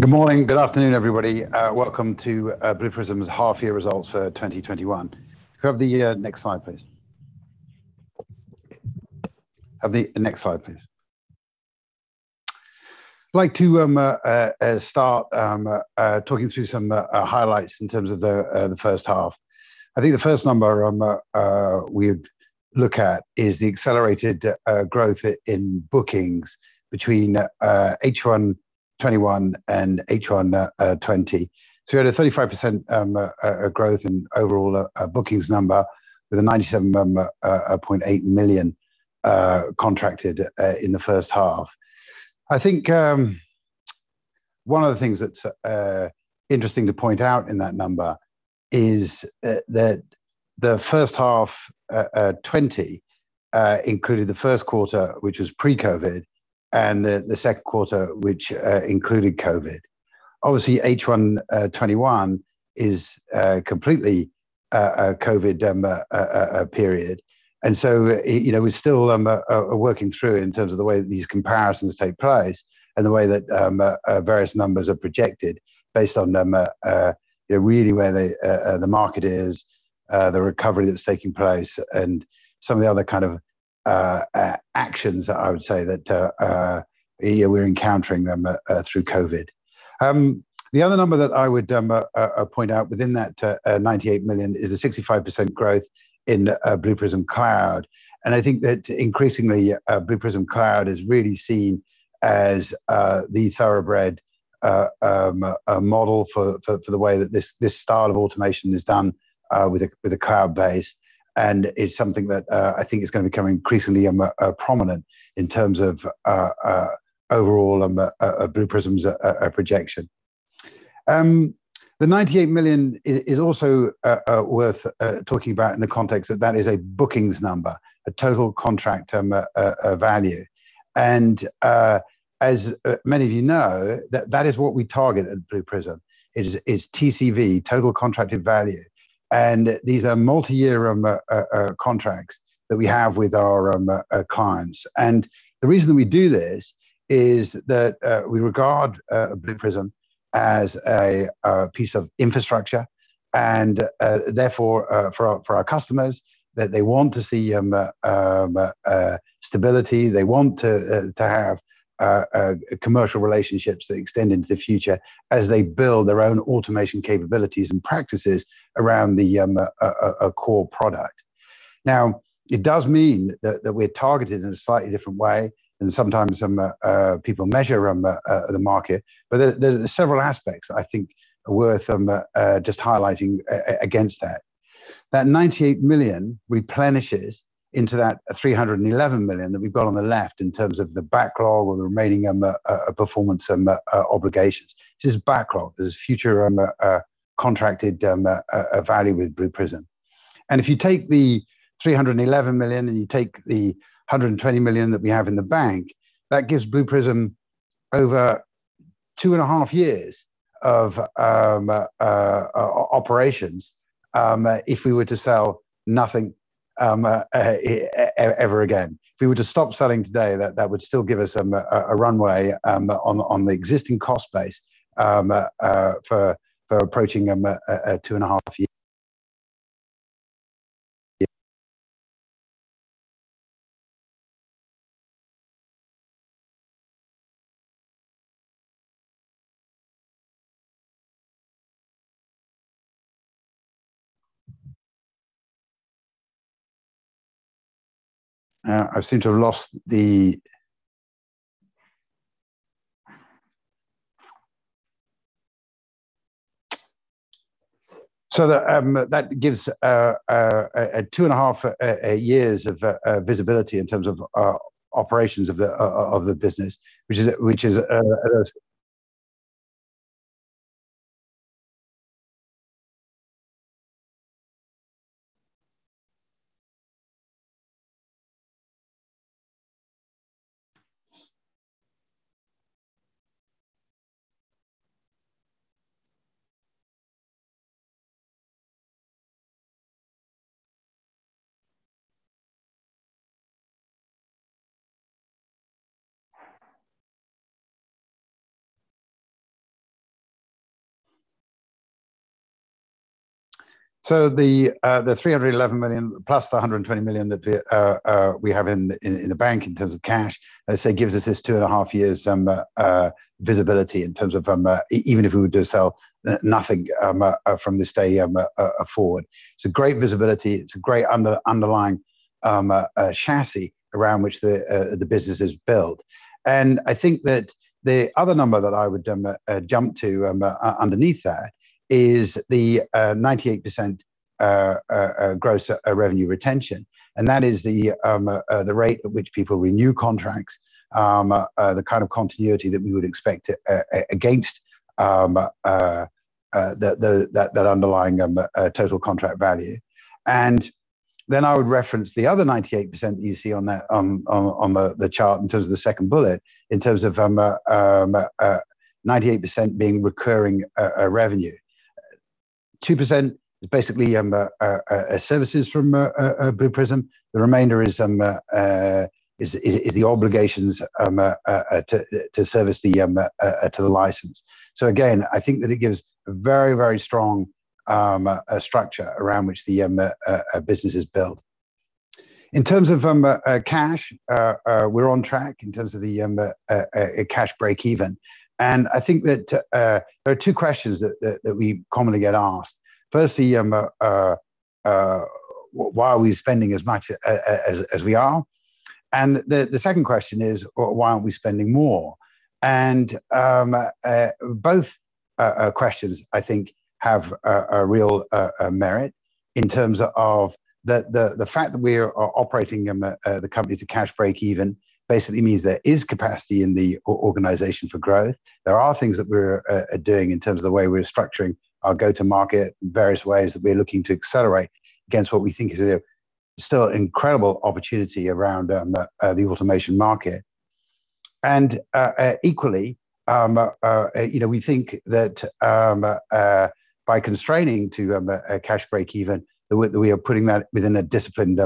Good morning. Good afternoon, everybody. Welcome to Blue Prism's half year results for 2021. Could I have the next slide, please? Could I have the next slide, please? I'd like to start talking through some highlights in terms of the first half. I think the first number we would look at is the accelerated growth in bookings between H1 2021 and H1 2020. We had a 35% growth in overall bookings number, with 97.8 million contracted in the first half. I think one of the things that is interesting to point out in that number is that the first half 2020 included the first quarter, which was pre-COVID, and the second quarter, which included COVID. Obviously, H1 2021 is completely a COVID period. We're still working through in terms of the way these comparisons take place and the way that various numbers are projected based on really where the market is, the recovery that's taking place, and some of the other kind of actions that I would say that we're encountering through COVID. The other number that I would point out within that 98 million is a 65% growth in Blue Prism Cloud. I think that increasingly, Blue Prism Cloud is really seen as the thoroughbred model for the way that this style of automation is done with a cloud base and is something that I think is going to become increasingly prominent in terms of overall Blue Prism's projection. The 98 million is also worth talking about in the context that that is a bookings number, a total contract value. As many of you know, that is what we target at Blue Prism. It is TCV, total contracted value. These are multi-year contracts that we have with our clients. The reason we do this is that we regard Blue Prism as a piece of infrastructure, and therefore for our customers, that they want to see stability, they want to have commercial relationships that extend into the future as they build their own automation capabilities and practices around the core product. It does mean that we're targeted in a slightly different way than sometimes people measure the market. There are several aspects I think are worth just highlighting against that. That 98 million replenishes into that 311 million that we've got on the left in terms of the backlog or the remaining performance obligations. This is backlog. There's future contracted value with Blue Prism. If you take the 311 million and you take the 120 million that we have in the bank, that gives Blue Prism over 2.5 years of operations if we were to sell nothing ever again. If we were to stop selling today, that would still give us a runway on the existing cost base for approaching 2.5 years. That gives 2.5 years of visibility in terms of operations of the business. The 311 million plus the 120 million that we have in the bank in terms of cash, as I said, gives us this 2.5 years visibility in terms of even if we were to sell nothing from this day forward. It is a great visibility, it is a great underlying chassis around which the business is built. I think that the other number that I would jump to underneath there is the 98% gross revenue retention. That is the rate at which people renew contracts, the kind of continuity that we would expect against that underlying total contract value. I would reference the other 98% that you see on the chart in terms of the second bullet, in terms of 98% being recurring revenue. 2% is basically services from Blue Prism. The remainder is the obligations to the license. Again, I think that it gives a very strong structure around which the business is built. In terms of cash, we're on track in terms of the cash break even. I think that there are 2 questions that we commonly get asked. Firstly, why are we spending as much as we are? The second question is, why aren't we spending more? Both questions, I think, have a real merit in terms of the fact that we are operating the company to cash break even basically means there is capacity in the organization for growth. There are things that we're doing in terms of the way we're structuring our go to market in various ways that we're looking to accelerate against what we think is a still incredible opportunity around the automation market. Equally, we think that by constraining to a cash break even, that we are putting that within a disciplined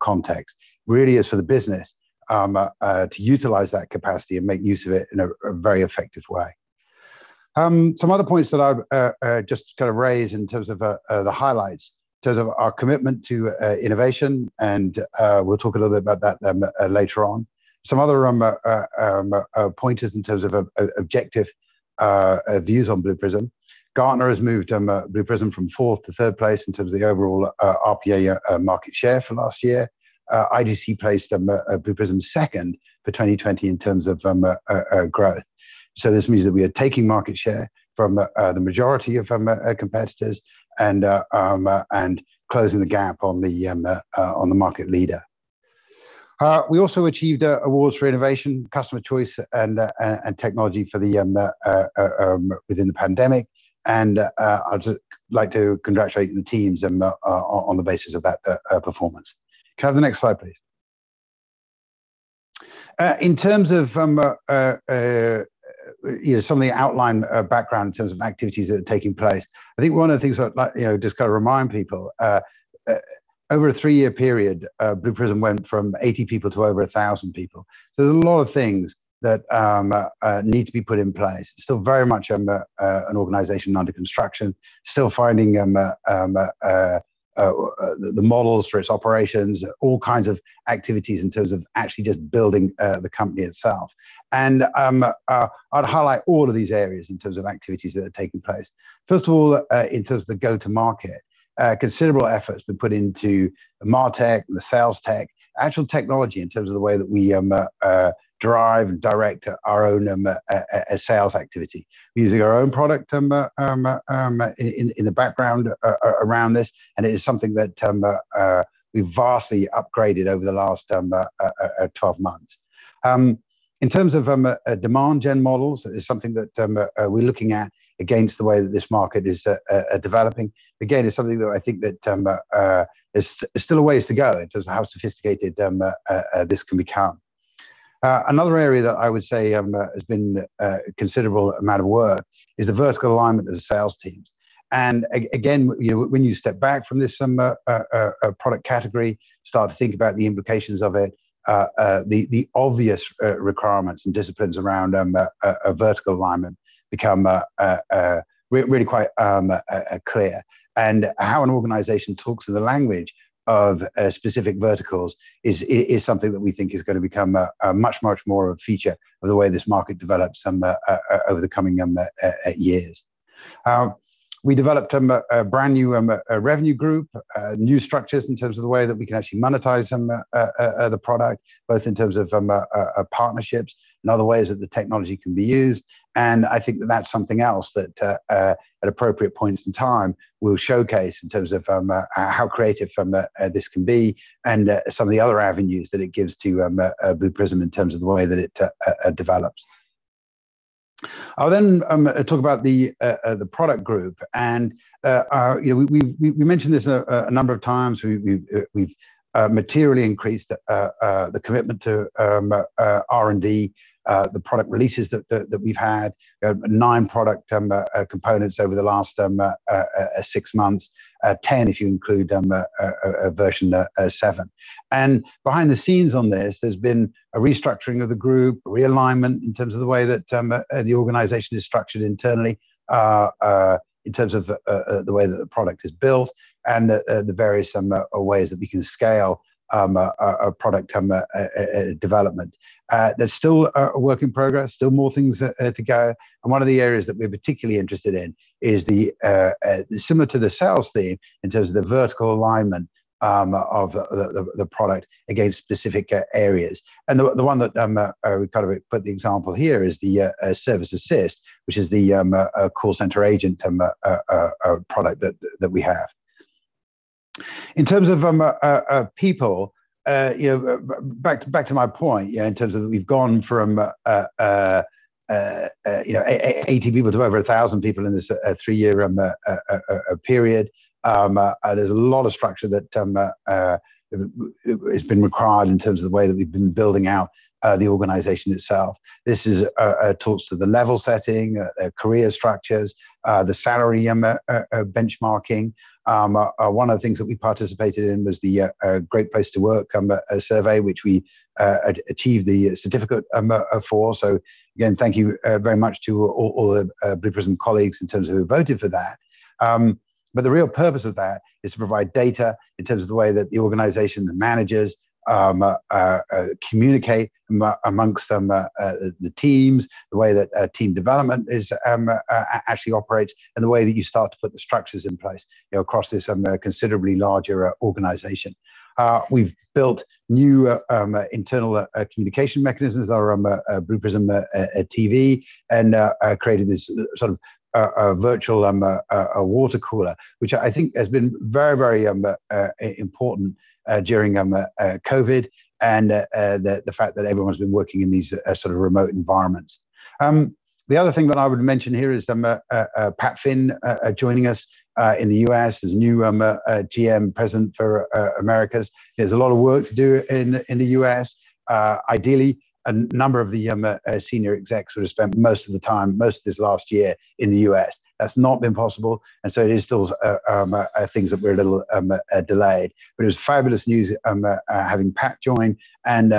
context, really is for the business to utilize that capacity and make use of it in a very effective way. Some other points that I'll just raise in terms of the highlights. In terms of our commitment to innovation, and we'll talk a little bit about that later on. Some other pointers in terms of objective views on Blue Prism. Gartner has moved Blue Prism from fourth to third place in terms of the overall RPA market share for last year. IDC placed Blue Prism second for 2020 in terms of growth. This means that we are taking market share from the majority of competitors and closing the gap on the market leader. We also achieved awards for innovation, customer choice, and technology within the pandemic, and I'd like to congratulate the teams on the basis of that performance. Can I have the next slide, please? In terms of something outline background in terms of activities that are taking place, I think one of the things I'd like just to remind people, over a three-year period, Blue Prism went from 80 people to over 1,000 people. There's a lot of things that need to be put in place. Still very much an organization under construction, still finding the models for its operations, all kinds of activities in terms of actually just building the company itself. I'd highlight all of these areas in terms of activities that are taking place. First of all, in terms of go to market, considerable effort has been put into the martech, the sales tech, actual technology in terms of the way that we drive and direct our own sales activity. Using our own product in the background around this, and it is something that we've vastly upgraded over the last 12 months. In terms of demand gen models, it is something that we're looking at against the way that this market is developing. It's something that I think that there's still a ways to go in terms of how sophisticated this can become. Another area that I would say has been a considerable amount of work is the vertical alignment of the sales teams. When you step back from this product category, start to think about the implications of it, the obvious requirements and disciplines around vertical alignment become really quite clear. How an organization talks to the language of specific verticals is something that we think is going to become much more a feature of the way this market develops over the coming years. We developed a brand new revenue group, new structures in terms of the way that we can actually monetize the product, both in terms of partnerships and other ways that the technology can be used. I think that that's something else that at appropriate points in time, we'll showcase in terms of how creative this can be and some of the other avenues that it gives to Blue Prism in terms of the way that it develops. I'll then talk about the product group, we've mentioned this a number of times. We've materially increased the commitment to R&D, the product releases that we've had, 9 product components over the last 6 months, 10 if you include Version 7. Behind the scenes on this, there's been a restructuring of the group, a realignment in terms of the way that the organization is structured internally, in terms of the way that the product is built, and the various ways that we can scale product development. There's still a work in progress, still more things to go. One of the areas that we're particularly interested in is similar to the sales team in terms of the vertical alignment of the product against specific areas. The one that we've kind of put the example here is the Service Assist, which is the call center agent product that we have. In terms of people, back to my point, in terms of we've gone from 80 people to over 1,000 people in this three-year period. There's a lot of structure that has been required in terms of the way that we've been building out the organization itself. This talks to the level setting, career structures, the salary benchmarking. One of the things that we participated in was the Great Place to Work survey, which we achieved the certificate for. Again, thank you very much to all the Blue Prism colleagues in terms of who voted for that. The real purpose of that is to provide data in terms of the way that the organization, the managers communicate amongst the teams, the way that team development actually operates, and the way that you start to put the structures in place across this considerably larger organization. We've built new internal communication mechanisms around Blue Prism TV, and created this virtual water cooler, which I think has been very important during COVID, and the fact that everyone's been working in these remote environments. The other thing that I would mention here is Pat Finn joining us in the U.S. as new GM, President for Americas. There's a lot of work to do in the U.S. Ideally, a number of the senior execs would have spent most of the time, most of this last year in the U.S. That's not been possible, and so there still are things that we're a little delayed, but it's fabulous news having Pat join, and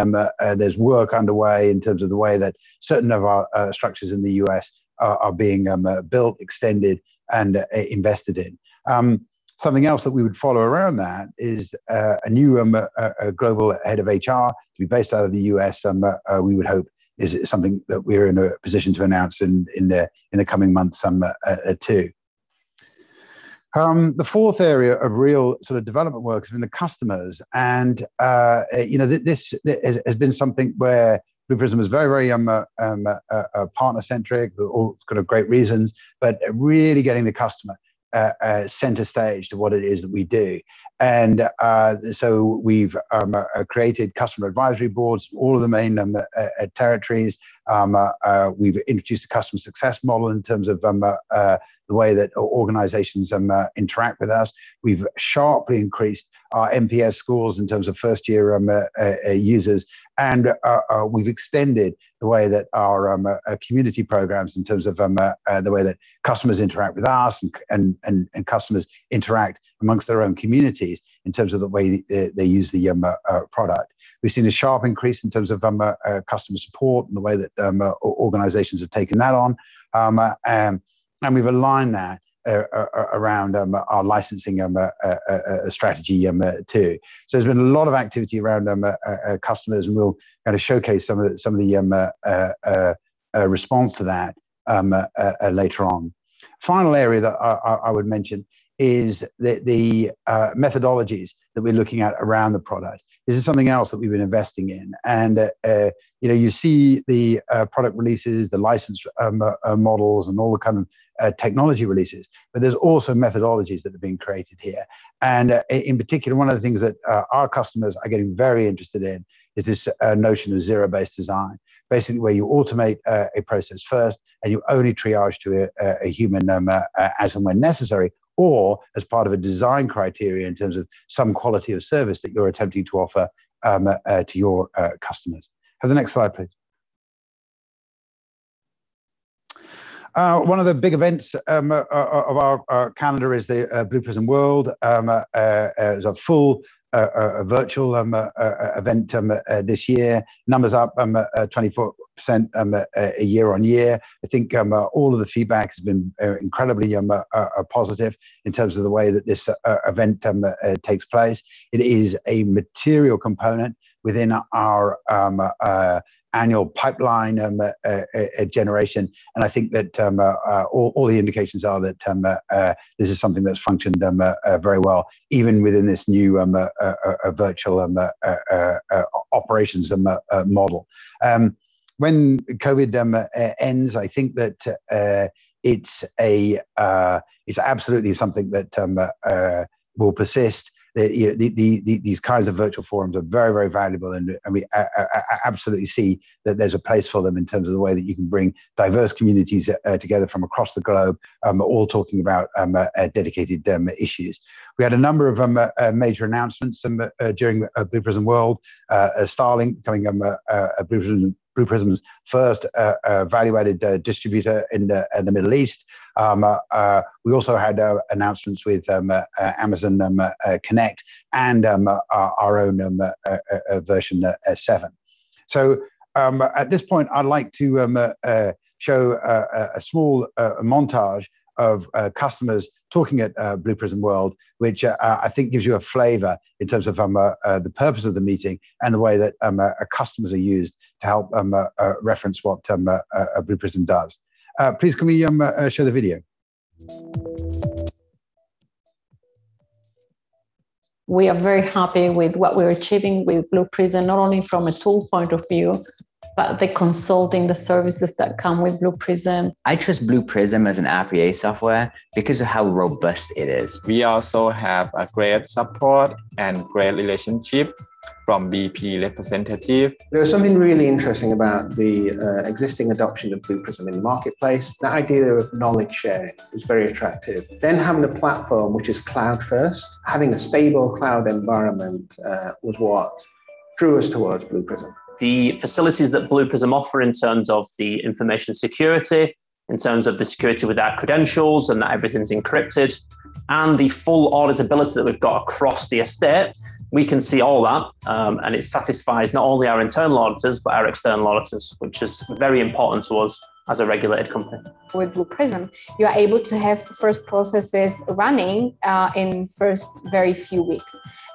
there's work underway in terms of the way that certain of our structures in the U.S. are being built, extended, and invested in. Something else that we would follow around that is a new global head of HR to be based out of the U.S., we would hope is something that we're in a position to announce in the coming months too. The fourth area of real development work has been the customers, and this has been something where Blue Prism is very partner-centric, for all sorts of great reasons, but really getting the customer center stage to what it is that we do. We've created customer advisory boards, all the main territories. We've introduced a customer success model in terms of the way that organizations interact with us. We've sharply increased our NPS scores in terms of first-year users, and we've extended the way that our community programs in terms of the way that customers interact with us and customers interact amongst their own communities in terms of the way they use the product. We've seen a sharp increase in terms of customer support and the way that organizations have taken that on, and we've aligned that around our licensing strategy too. There's been a lot of activity around customers, and we'll showcase some of the response to that later on. Final area that I would mention is the methodologies that we're looking at around the product. This is something else that we've been investing in. You see the product releases, the license models, and all the kind of technology releases, but there's also methodologies that have been created here. In particular, one of the things that our customers are getting very interested in is this notion of zero-based design. Basically, where you automate a process first and you only triage to a human as and when necessary, or as part of a design criteria in terms of some quality of service that you're attempting to offer to your customers. The next slide, please. One of the big events of our calendar is the Blue Prism World, as a full virtual event this year. Numbers up 24% year-over-year. I think all of the feedback has been incredibly positive in terms of the way that this event takes place. It is a material component within our annual pipeline generation, and I think that all the indications are that this is something that's functioned very well, even within this new virtual operations model. When COVID ends, I think that it's absolutely something that will persist. These kinds of virtual forums are very valuable, and we absolutely see that there's a place for them in terms of the way that you can bring diverse communities together from across the globe, all talking about dedicated issues. We had a number of major announcements during Blue Prism World. StarLink becoming Blue Prism's first value-added distributor in the Middle East. We also had announcements with Amazon Connect and our own Version 7. At this point, I'd like to show a small montage of customers talking at Blue Prism World, which I think gives you a flavor in terms of the purpose of the meeting and the way that our customers are used to help reference what Blue Prism does. Please can we show the video. We are very happy with what we're achieving with Blue Prism, not only from a tool point of view, but the consulting services that come with Blue Prism. I trust Blue Prism as an RPA software because of how robust it is. We also have a great support and great relationship from BP representative. There was something really interesting about the existing adoption of Blue Prism in the marketplace. The idea of knowledge sharing was very attractive. Having a platform which is cloud-first, having a stable cloud environment, was what drew us towards Blue Prism. The facilities that Blue Prism offer in terms of the information security, in terms of the security with our credentials, and that everything's encrypted. The full auditability that we've got across the estate, we can see all that, and it satisfies not only our internal auditors but our external auditors, which is very important to us as a regulated company. With Blue Prism, you are able to have first processes running in first very few weeks.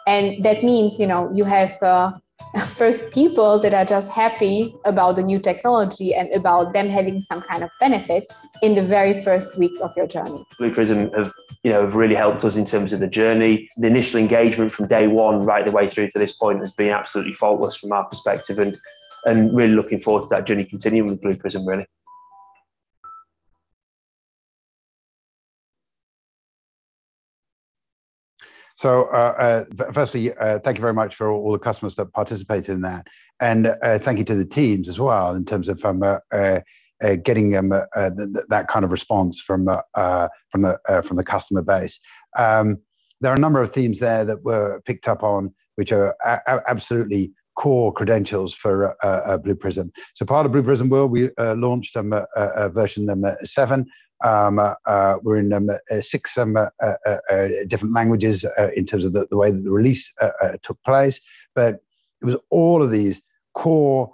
That means, you have the first people that are just happy about the new technology and about them having some kind of benefit in the very first weeks of your journey. Blue Prism have really helped us in terms of the journey. The initial engagement from day one right the way through to this point has been absolutely faultless from our perspective, and really looking forward to that journey continuing with Blue Prism, really. Firstly, thank you very much for all the customers that participated in there. Thank you to the teams as well in terms of getting that kind of response from the customer base. There are a number of themes there that were picked up on, which are absolutely core credentials for Blue Prism. Part of Blue Prism World, we launched Version 7, we're in six different languages in terms of the way that the release took place. It was all of these core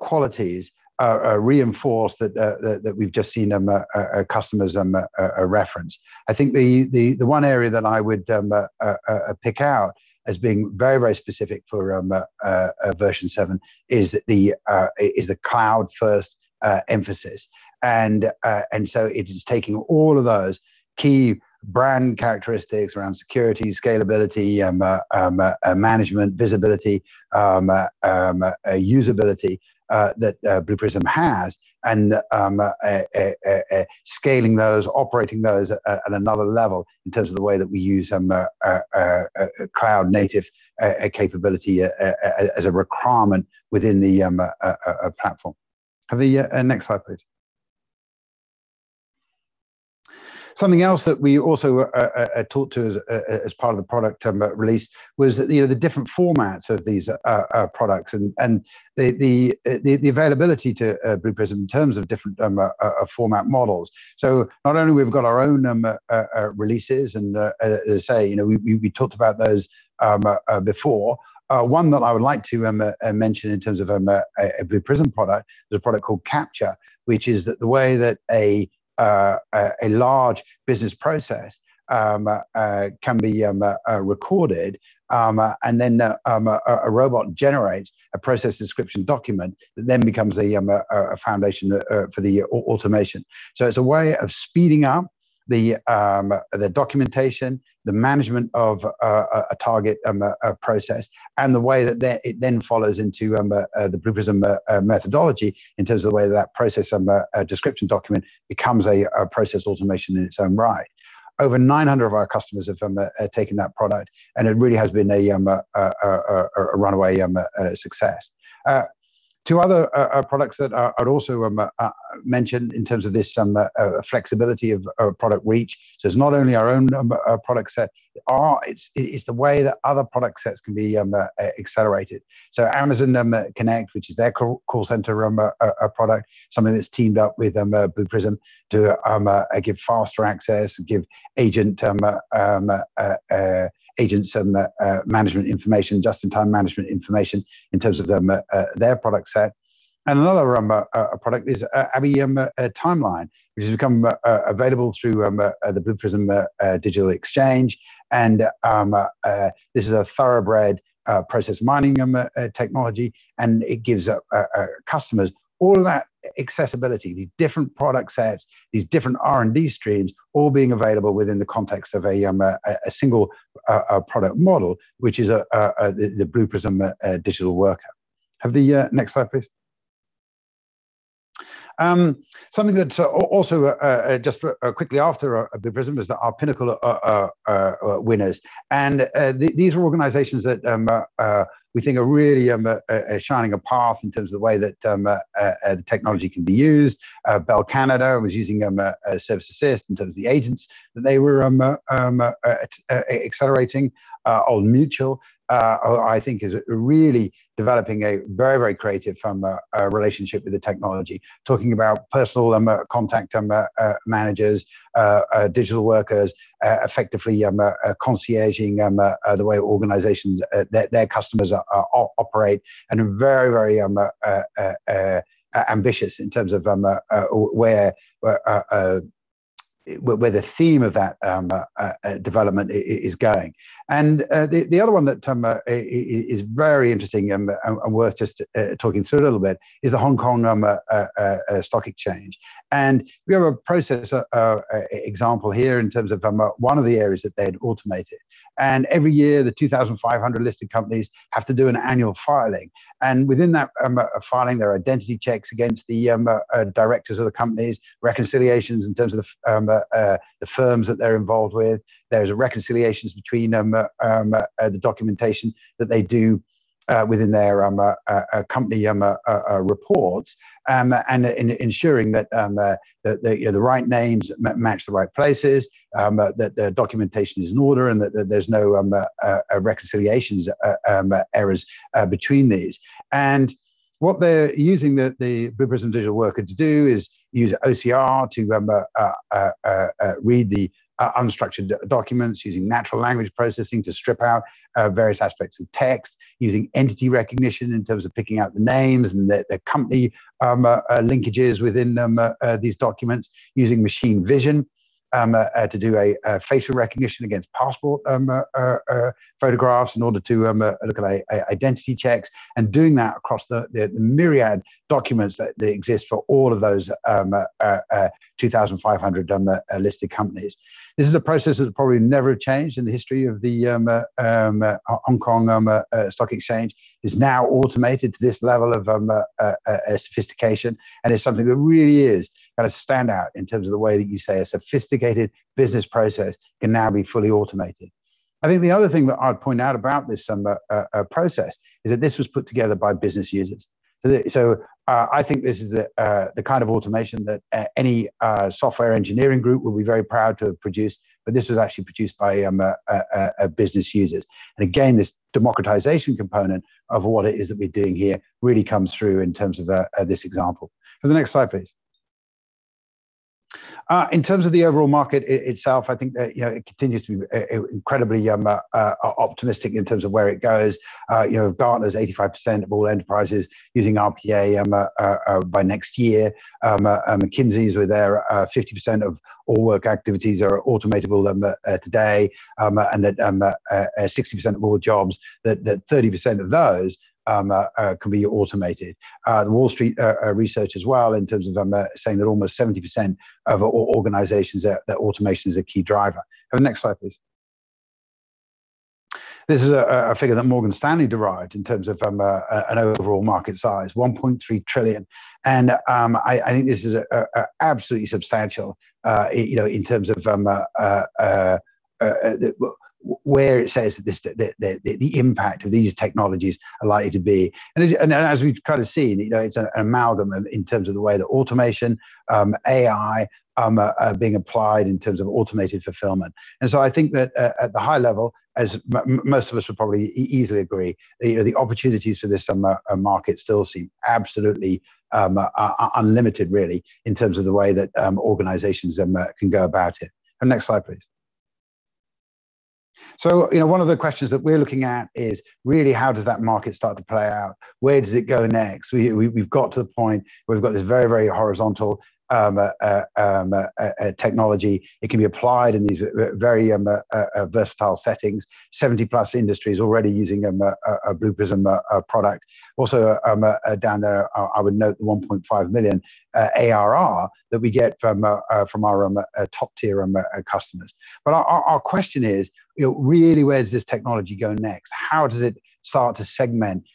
qualities reinforced that we've just seen customers reference. I think the one area that I would pick out as being very specific for Version 7 is the cloud-first emphasis. It is taking all of those key brand characteristics around security, scalability, management, visibility, usability that Blue Prism has, and scaling those, operating those at another level in terms of the way that we use cloud native capability as a requirement within the platform. Have the next slide, please. Something else that we also talked to as part of the product release was the different formats of these products and the availability to Blue Prism in terms of different format models. Not only we've got our own releases and as say, we talked about those before. One that I would like to mention in terms of a Blue Prism product is a product called Capture, which is the way that a large business process can be recorded, and then a robot generates a process description document that then becomes a foundation for the automation. It's a way of speeding up the documentation, the management of a target process, and the way that it then follows into the Blue Prism methodology in terms of the way that process description document becomes a process automation in its own right. Over 900 of our customers have taken that product, and it really has been a runaway success. 2 other products that I'd also mention in terms of this flexibility of product reach. It's not only our own product set. It's the way that other product sets can be accelerated. Amazon Connect, which is their call center product, something that's teamed up with Blue Prism to give faster access and give agents just-in-time management information in terms of their product set. Another product is ABBYY Timeline, which has become available through the Blue Prism Digital Exchange. This is a thoroughbred process mining technology, and it gives customers all of that accessibility, these different product sets, these different R&D streams, all being available within the context of a single product model, which is the Blue Prism Digital Worker. Have the next slide, please. Something that's also just quickly after Blue Prism is our Pinnacle winners. These are organizations that we think are really shining a path in terms of the way that the technology can be used. Bell Canada was using Service Assist in terms of the agents that they were accelerating. Old Mutual I think is really developing a very creative relationship with the technology, talking about personal contact managers, digital workers, effectively concierging the way organizations, their customers operate. Very ambitious in terms of where the theme of that development is going. The other one that is very interesting and worth just talking through a little bit is the Hong Kong Stock Exchange. We have a process example here in terms of one of the areas that they'd automated. Every year, the 2,500 listed companies have to do an annual filing. Within that filing, there are identity checks against the directors of the companies, reconciliations in terms of the firms that they're involved with. There's reconciliations between the documentation that they do within their company reports and ensuring that the right names match the right places, that their documentation is in order, and that there's no reconciliations errors between these. What they're using the Blue Prism Digital Worker to do isUse OCR to read the unstructured documents using natural language processing to strip out various aspects of text, using entity recognition in terms of picking out the names and the company linkages within these documents, using machine vision to do a facial recognition against passport photographs in order to look at identity checks. Doing that across the myriad documents that exist for all of those 2,500 listed companies. This is a process that's probably never changed in the history of the Hong Kong Stock Exchange, is now automated to this level of sophistication, and it's something that really is a standout in terms of the way that you see a sophisticated business process can now be fully automated. I think the other thing that I'd point out about this process is that this was put together by business users. I think this is the kind of automation that any software engineering group would be very proud to have produced, but this was actually produced by business users. Again, this democratization component of what it is that we're doing here really comes through in terms of this example. The next slide, please. In terms of the overall market itself, I think that it continues to be incredibly optimistic in terms of where it goes. Gartner's 85% of all enterprises using RPA by next year. McKinsey's with their 50% of all work activities are automatable today, and that 60% of all jobs, that 30% of those can be automated. Wall Street research as well in terms of saying that almost 70% of organizations, that automation is a key driver. The next slide, please. This is a figure that Morgan Stanley derived in terms of an overall market size, 1.3 trillion. I think this is absolutely substantial, in terms of where it says the impact of these technologies are likely to be. As we've kind of seen, it's an amalgam in terms of the way that automation, AI are being applied in terms of automated fulfillment. I think that at the high level, as most of us would probably easily agree, the opportunities for this market still seem absolutely unlimited, really, in terms of the way that organizations can go about it. The next slide, please. One of the questions that we're looking at is really how does that market start to play out? Where does it go next? We've got to the point where we've got this very, very horizontal technology. It can be applied in these very versatile settings, 70+ industries already using a Blue Prism product. Also, down there, I would note the 1.5 million ARR that we get from our top-tier customers. Our question is, really where does this technology go next? How does it start to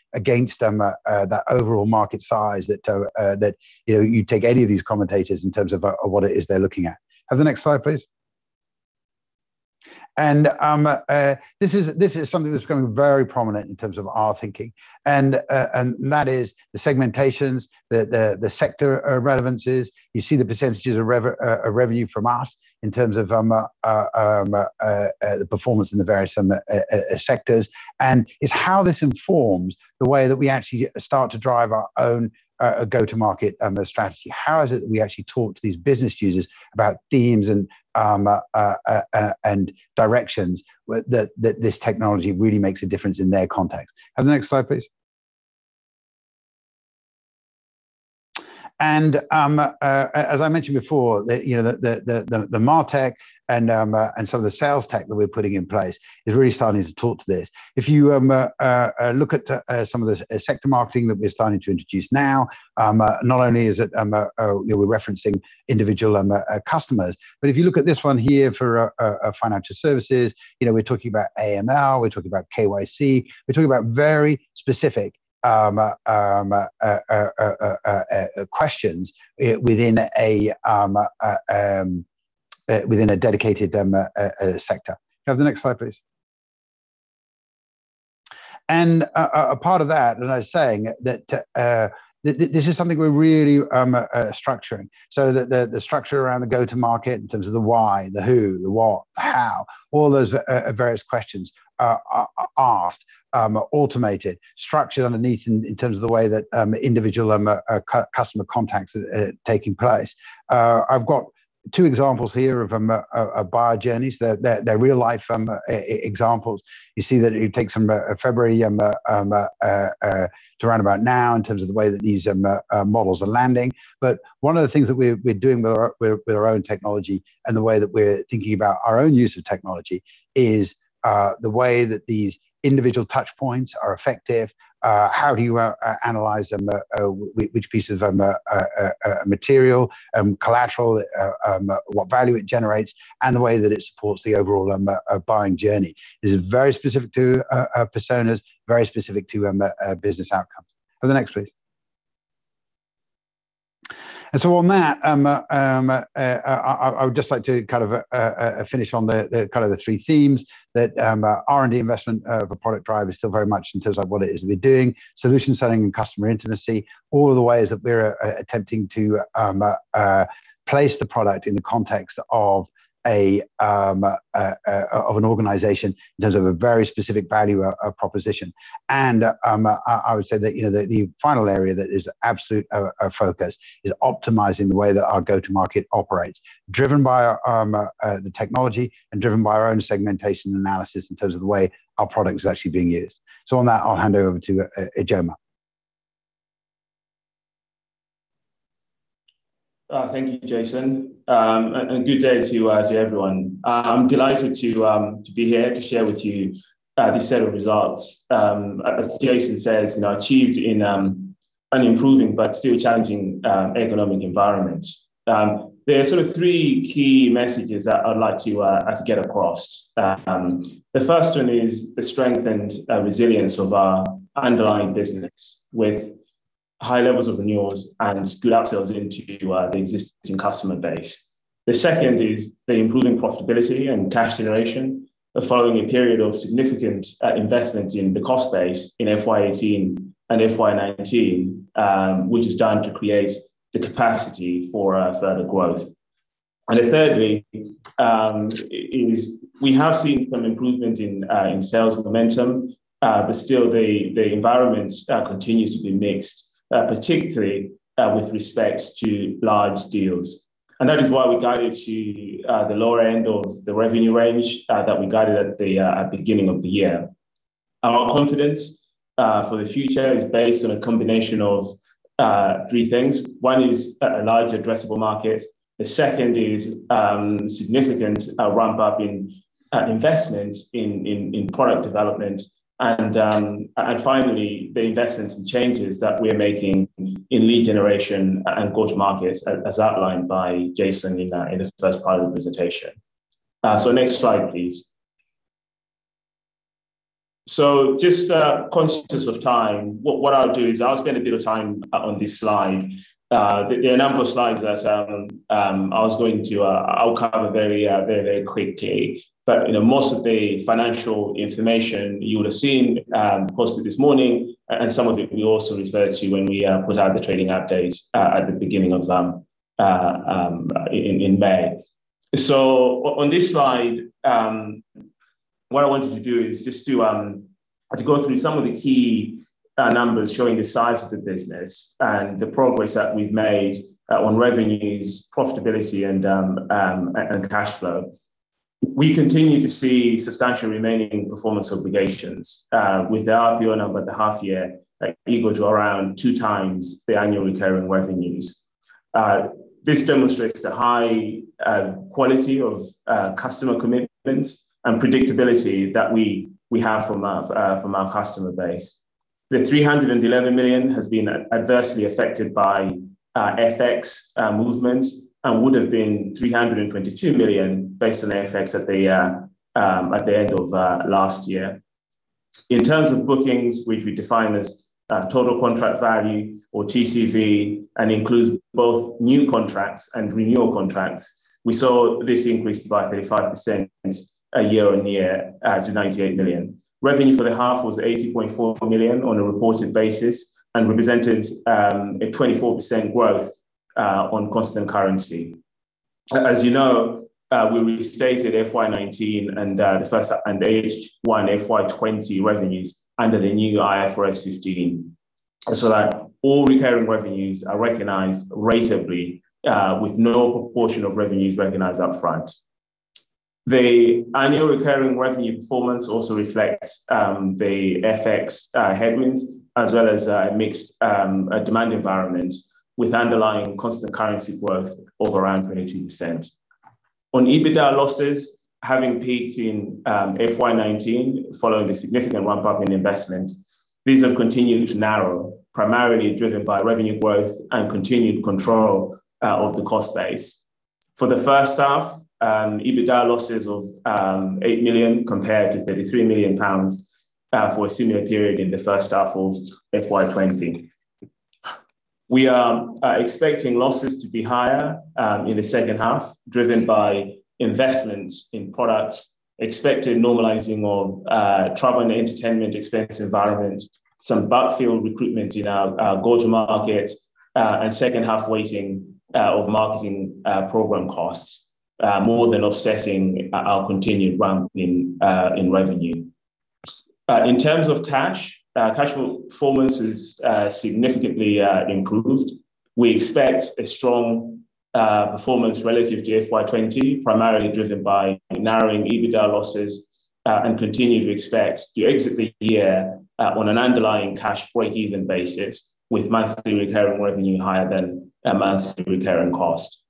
segment against that overall market size that you take any of these commentators in terms of what it is they're looking at? The next slide, please. This is something that's become very prominent in terms of our thinking, and that is the segmentations, the sector relevances. You see the percentages of revenue from us in terms of the performance in the various sectors. It's how this informs the way that we actually start to drive our own go-to-market strategy. How is it that we actually talk to these business users about themes and directions that this technology really makes a difference in their context? The next slide, please. As I mentioned before, the martech and some of the sales tech that we're putting in place is really starting to talk to this. If you look at some of the sector marketing that we're starting to introduce now, not only is it we're referencing individual customers. If you look at this one here for financial services, we're talking about AML, we're talking about KYC, we're talking about very specific questions within a dedicated sector. Can I have the next slide, please? A part of that, as I was saying, that this is something we're really structuring. The structure around the go-to-market in terms of the why, the who, the what, the how, all those various questions are asked, automated, structured underneath in terms of the way that individual customer contacts are taking place. I've got two examples here of buyer journeys. They're real-life examples. You see that it takes from February to around about now in terms of the way that these models are landing. One of the things that we're doing with our own technology and the way that we're thinking about our own use of technology is the way that these individual touch points are effective. How do you analyze which pieces of material, collateral, what value it generates, and the way that it supports the overall buying journey. This is very specific to personas, very specific to business outcomes. The next, please. On that, I would just like to kind of finish on the kind of the three themes that R&D investment per product drive is still very much in terms of what it is that we're doing, solution selling and customer intimacy, all the ways that we're attempting to place the product in the context of an organization in terms of a very specific value proposition. I would say that the final area that is absolute focus is optimizing the way that our go-to market operates, driven by the technology and driven by our own segmentation analysis in terms of the way our product is actually being used. On that, I'll hand over to Ijeoma. Thank you, Jason. Good day to you, as everyone. I'm delighted to be here to share with you the set of results, as Jason says, achieved in an improving but still challenging economic environment. There are 3 key messages that I'd like to get across. The first one is the strengthened resilience of our underlying business with high levels of renewals and good upsells into the existing customer base. The second is the improving profitability and cash generation following a period of significant investment in the cost base in FY 2018 and FY 2019, which is done to create the capacity for our further growth. Thirdly, is we have seen some improvement in sales momentum, but still the environment continues to be mixed, particularly with respect to large deals. That is why we guided to the lower end of the revenue range that we guided at the beginning of the year. Our confidence for the future is based on a combination of 3 things. 1 is a large addressable market, the second is significant ramp-up in investment in product development, and finally, the investments and changes that we're making in lead generation and go-to markets, as outlined by Jason in the first part of the presentation. Next slide, please. Just consciousness of time, what I'll do is I'll spend a bit of time on this slide. There are a number of slides that I was going to cover very quickly. Most of the financial information you would have seen posted this morning, and some of it we also referred to when we put out the trading updates at the beginning of May. On this slide, what I wanted to do is just to go through some of the key numbers showing the size of the business and the progress that we've made on revenues, profitability, and cash flow. We continue to see substantial remaining performance obligations with our bill number at the half year equal to around 2 times the annual recurring revenues. This demonstrates the high quality of customer commitments and predictability that we have from our customer base. The 311 million has been adversely affected by FX movements and would have been 322 million based on FX at the end of last year. In terms of bookings, which we define as Total Contract Value, or TCV, and includes both new contracts and renewal contracts, we saw this increase by 35% year-on-year to 98 million. Revenue for the half was 80.4 million on a reported basis and represented a 24% growth on constant currency. As you know, we restated FY 2019 and H1 FY 2020 revenues under the new IFRS 15, so that all recurring revenues are recognized ratably with no proportion of revenues recognized up front. The annual recurring revenue performance also reflects the FX headwinds, as well as a mixed demand environment with underlying constant currency worth of around 18%. On EBITDA losses, having peaked in FY 2019 following a significant ramp-up in investment, these have continued to narrow, primarily driven by revenue growth and continued control of the cost base. For the first half, EBITDA losses of 8 million compared to 33 million pounds for a similar period in the first half of FY 2020. We are expecting losses to be higher in the second half, driven by investments in product, expected normalizing of travel and entertainment expense environment, some backfill recruitment in our go-to market, and second-half weighting of marketing program costs more than offsetting our continued ramp in revenue. In terms of cash flow performance has significantly improved. We expect a strong performance relative to FY 2020, primarily driven by narrowing EBITDA losses and continue to expect to exit the year on an underlying cash break-even basis with monthly recurring revenue higher than monthly recurring cost.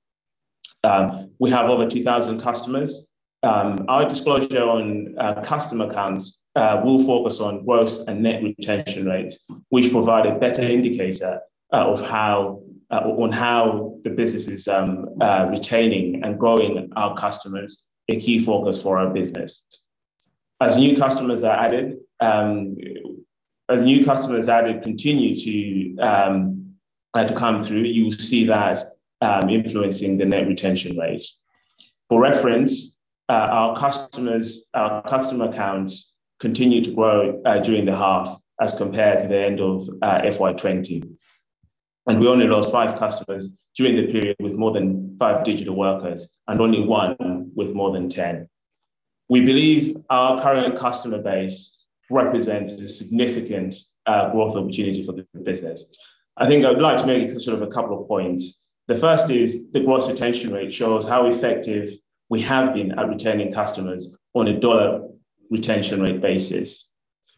We have over 2,000 customers. Our disclosure on customer counts will focus on growth and net retention rates, which provide a better indicator on how the business is retaining and growing our customers, a key focus for our business. As new customers are added and continue to come through, you'll see that influencing the net retention rates. For reference, our customer accounts continued to grow during the half as compared to the end of FY 2020. We only lost five customers during the period with more than five digital workers, and only one with more than 10. We believe our current customer base represents a significant growth opportunity for the business. I think I'd like to make a couple of points. The first is the gross retention rate shows how effective we have been at retaining customers on a dollar retention rate basis.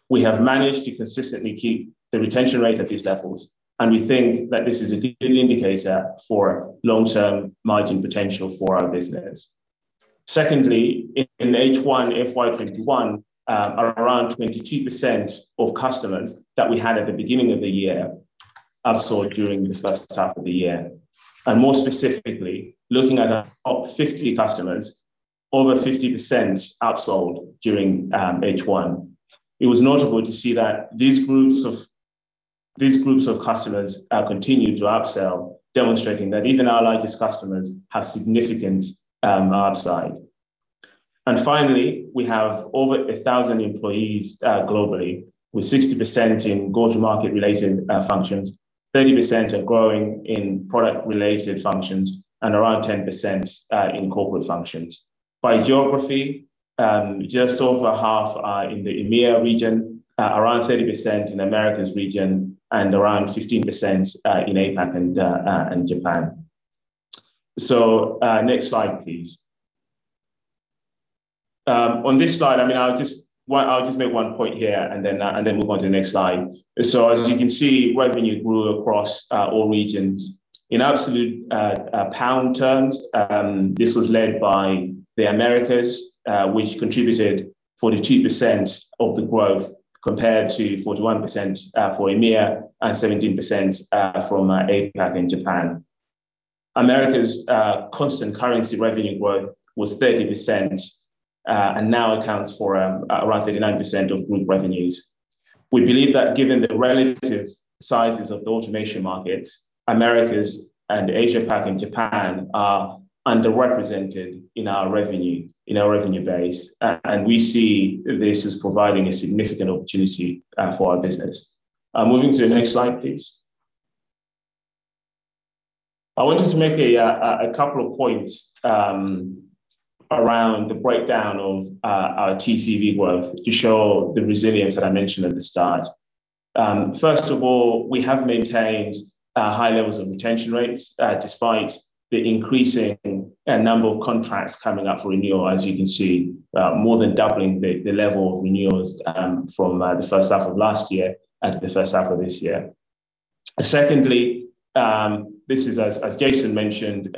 We have managed to consistently keep the retention rate at these levels, and we think that this is a good indicator for long-term margin potential for our business. In H1 FY 2021, around 22% of customers that we had at the beginning of the year upsold during the first half of the year. More specifically, looking at our top 50 customers, over 50% upsold during H1. It was notable to see that these groups of customers are continuing to upsell, demonstrating that even our largest customers have significant upside. Finally, we have over 1,000 employees globally, with 60% in go-to-market related functions, 30% are growing in product related functions, and around 10% in corporate functions. By geography, just over half are in the EMEIA region, around 30% in Americas region, and around 15% in APAC and Japan. Next slide please. On this slide, I'll just make 1 point here and then we'll go to the next slide. As you can see, revenue grew across all regions. In absolute GBP terms, this was led by the Americas, which contributed 42% of the growth compared to 41% for EMEIA and 17% from APAC and Japan. Americas' constant currency revenue growth was 30% and now accounts for roughly 9% of group revenues. We believe that given the relative sizes of the automation markets, Americas and APAC and Japan are underrepresented in our revenue base. We see this as providing a significant opportunity for our business. Moving to the next slide, please. I wanted to make a couple of points around the breakdown of our TCV growth to show the resilience that I mentioned at the start. First of all, we have maintained high levels of retention rates despite the increasing number of contracts coming up for renewal. As you can see, more than doubling the level of renewals from the first half of last year and to the first half of this year. This is, as Jason mentioned,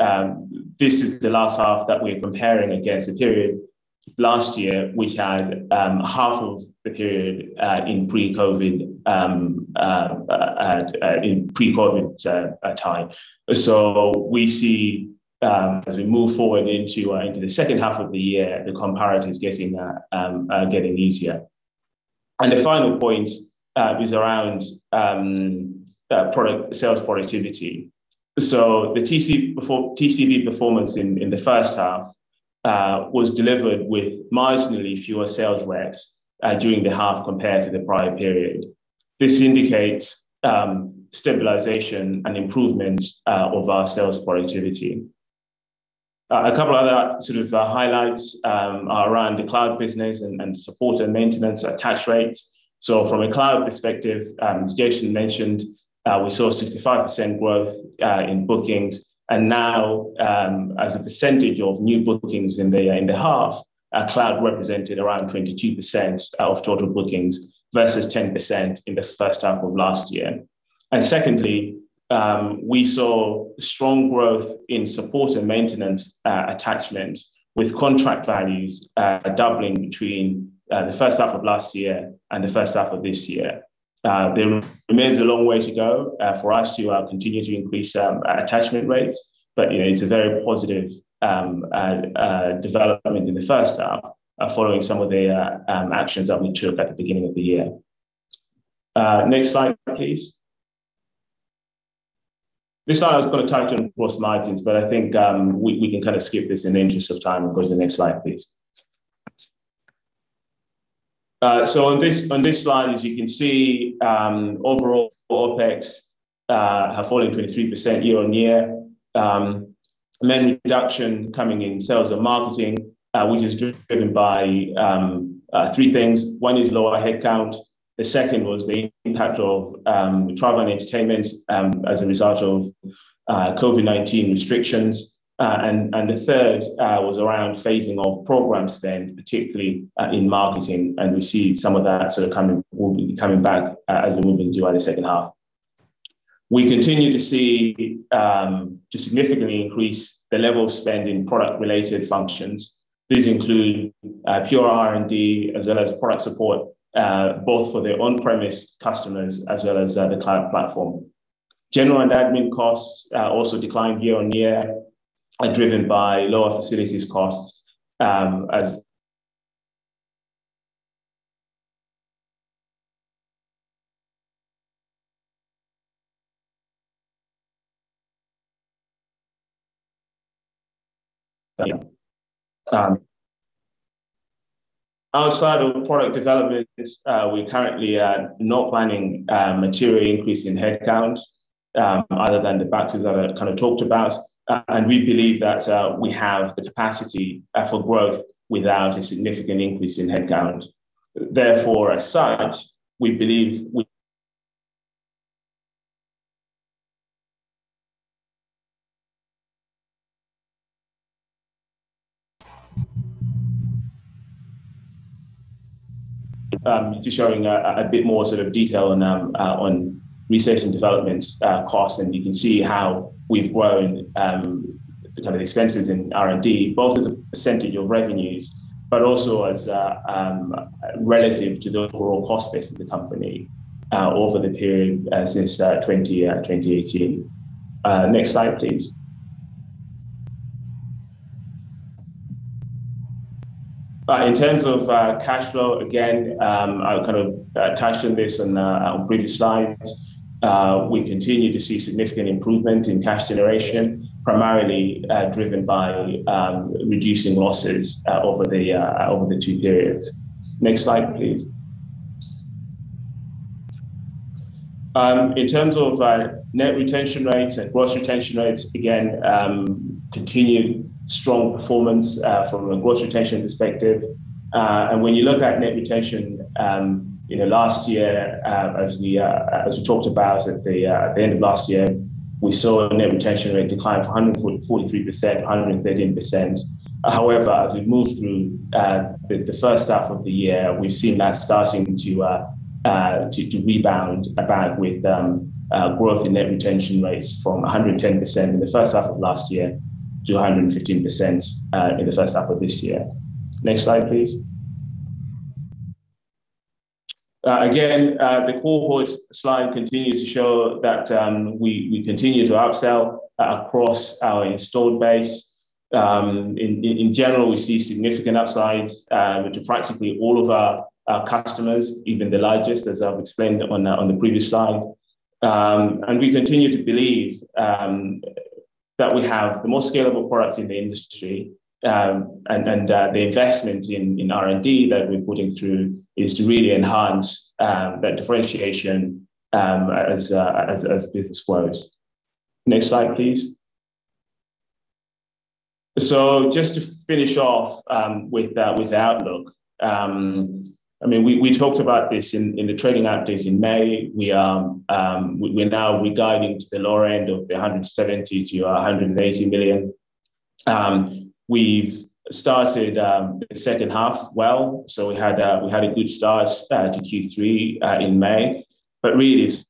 this is the last half that we're comparing against a period last year which had half of the period in pre-COVID time. We see as we move forward into the second half of the year, the comparatives getting easier. The final point is around sales productivity. The TCV performance in the first half was delivered with marginally fewer sales reps during the half compared to the prior period. This indicates stabilization and improvement of our sales productivity. A couple other highlights around the cloud business and support and maintenance attach rates. From a cloud perspective, as Jason mentioned, we saw 65% growth in bookings. Now, as a percentage of new bookings in the year and a half, our cloud represented around 22% of total bookings versus 10% in the first half of last year. Secondly, we saw strong growth in support and maintenance attachment, with contract values doubling between the first half of last year and the first half of this year. There remains a long way to go for us to continue to increase our attachment rates, but it's a very positive development in the first half following some of the actions that we took at the beginning of the year. Next slide, please. This slide has got a title, of course, Margins, but I think we can skip this in the interest of time and go to the next slide, please. On this slide, as you can see, overall for OpEx, have fallen 23% year-over-year. Main reduction coming in sales and marketing, which is driven by 3 things. 1 is lower headcount. The second was the impact of travel and entertainment as a result of COVID-19 restrictions. The third was around phasing of program spend, particularly in marketing, and we see some of that will be coming back as we move into our second half. We continue to significantly increase the level of spend in product related functions. These include pure R&D as well as product support, both for the on-premise customers as well as the cloud platform. General and admin costs also declined year-over-year, driven by lower facilities costs. Outside of product developments, we're currently not planning a material increase in headcount other than the factors that I talked about. We believe that we have the capacity for growth without a significant increase in headcount. Just showing a bit more detail on research and development costs, you can see how we've grown the expenses in R&D, both as a percentage of revenues, but also as relative to the overall cost base of the company over the period since 2018. Next slide, please. In terms of cash flow, again, I've touched on this in the previous slides. We continue to see significant improvement in cash generation, primarily driven by reducing losses over the two periods. Next slide, please. In terms of net retention rates and gross retention rates, again, continued strong performance from a gross retention perspective. When you look at net retention, last year, as we talked about at the end of last year, we saw a net retention rate decline from 143% to 113%. As we've moved through the first half of the year, we've seen that starting to rebound back with growth in net retention rates from 110% in the first half of last year to 115% in the first half of this year. Next slide, please. The cohorts slide continues to show that we continue to upsell across our installed base. In general, we see significant upsides with practically all of our customers, even the largest, as I've explained on the previous slide. We continue to believe that we have the most scalable product in the industry, and the investment in R&D that we're putting through is to really enhance that differentiation as business grows. Next slide, please. Just to finish off with the outlook. We talked about this in the trading updates in May. We guide into the lower end of the 170 million-180 million. We've started the second half well. We had a good start to Q3 in May. Really, a GBP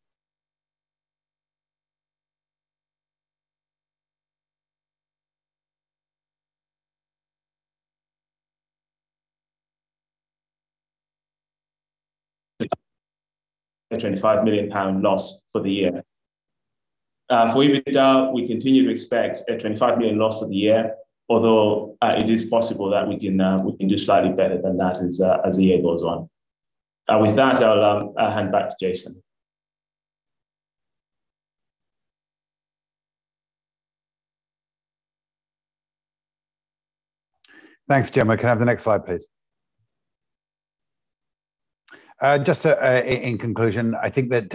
25 million loss for the year. For the year though, we continue to expect a 25 million loss for the year, although it is possible that we can do slightly better than that as the year goes on. With that, I'll hand back to Jason. Thanks, Ijeoma. Can I have the next slide, please? Just in conclusion, I think that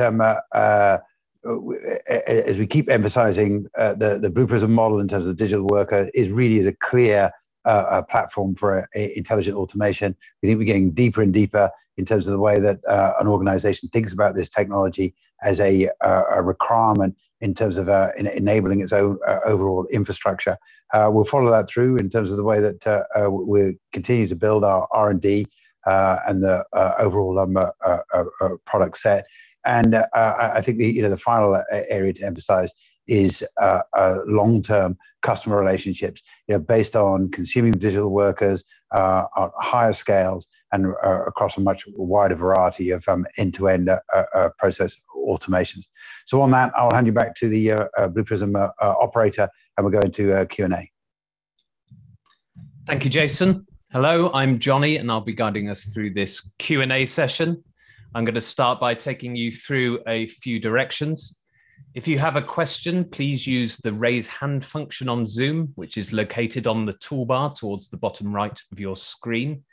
as we keep emphasizing, the Blue Prism model in terms of digital worker is really the clear platform for intelligent automation. We keep getting deeper and deeper in terms of the way that an organization thinks about this technology as a requirement in terms of enabling its overall infrastructure. We'll follow that through in terms of the way that we'll continue to build our R&D, and the overall product set. I think the final area to emphasize is long-term customer relationships based on consuming digital workers at higher scales and across a much wider variety of end-to-end process automations. On that, I'll hand you back to the Blue Prism operator, and we'll go to Q&A. Thank you, Jason. Hello, I'm Johnny, and I'll be guiding us through this Q&A session. I'm going to start by taking you through a few directions. If you have a question, please use the raise hand function on Zoom, which is located on the toolbar towards the bottom right of your screen.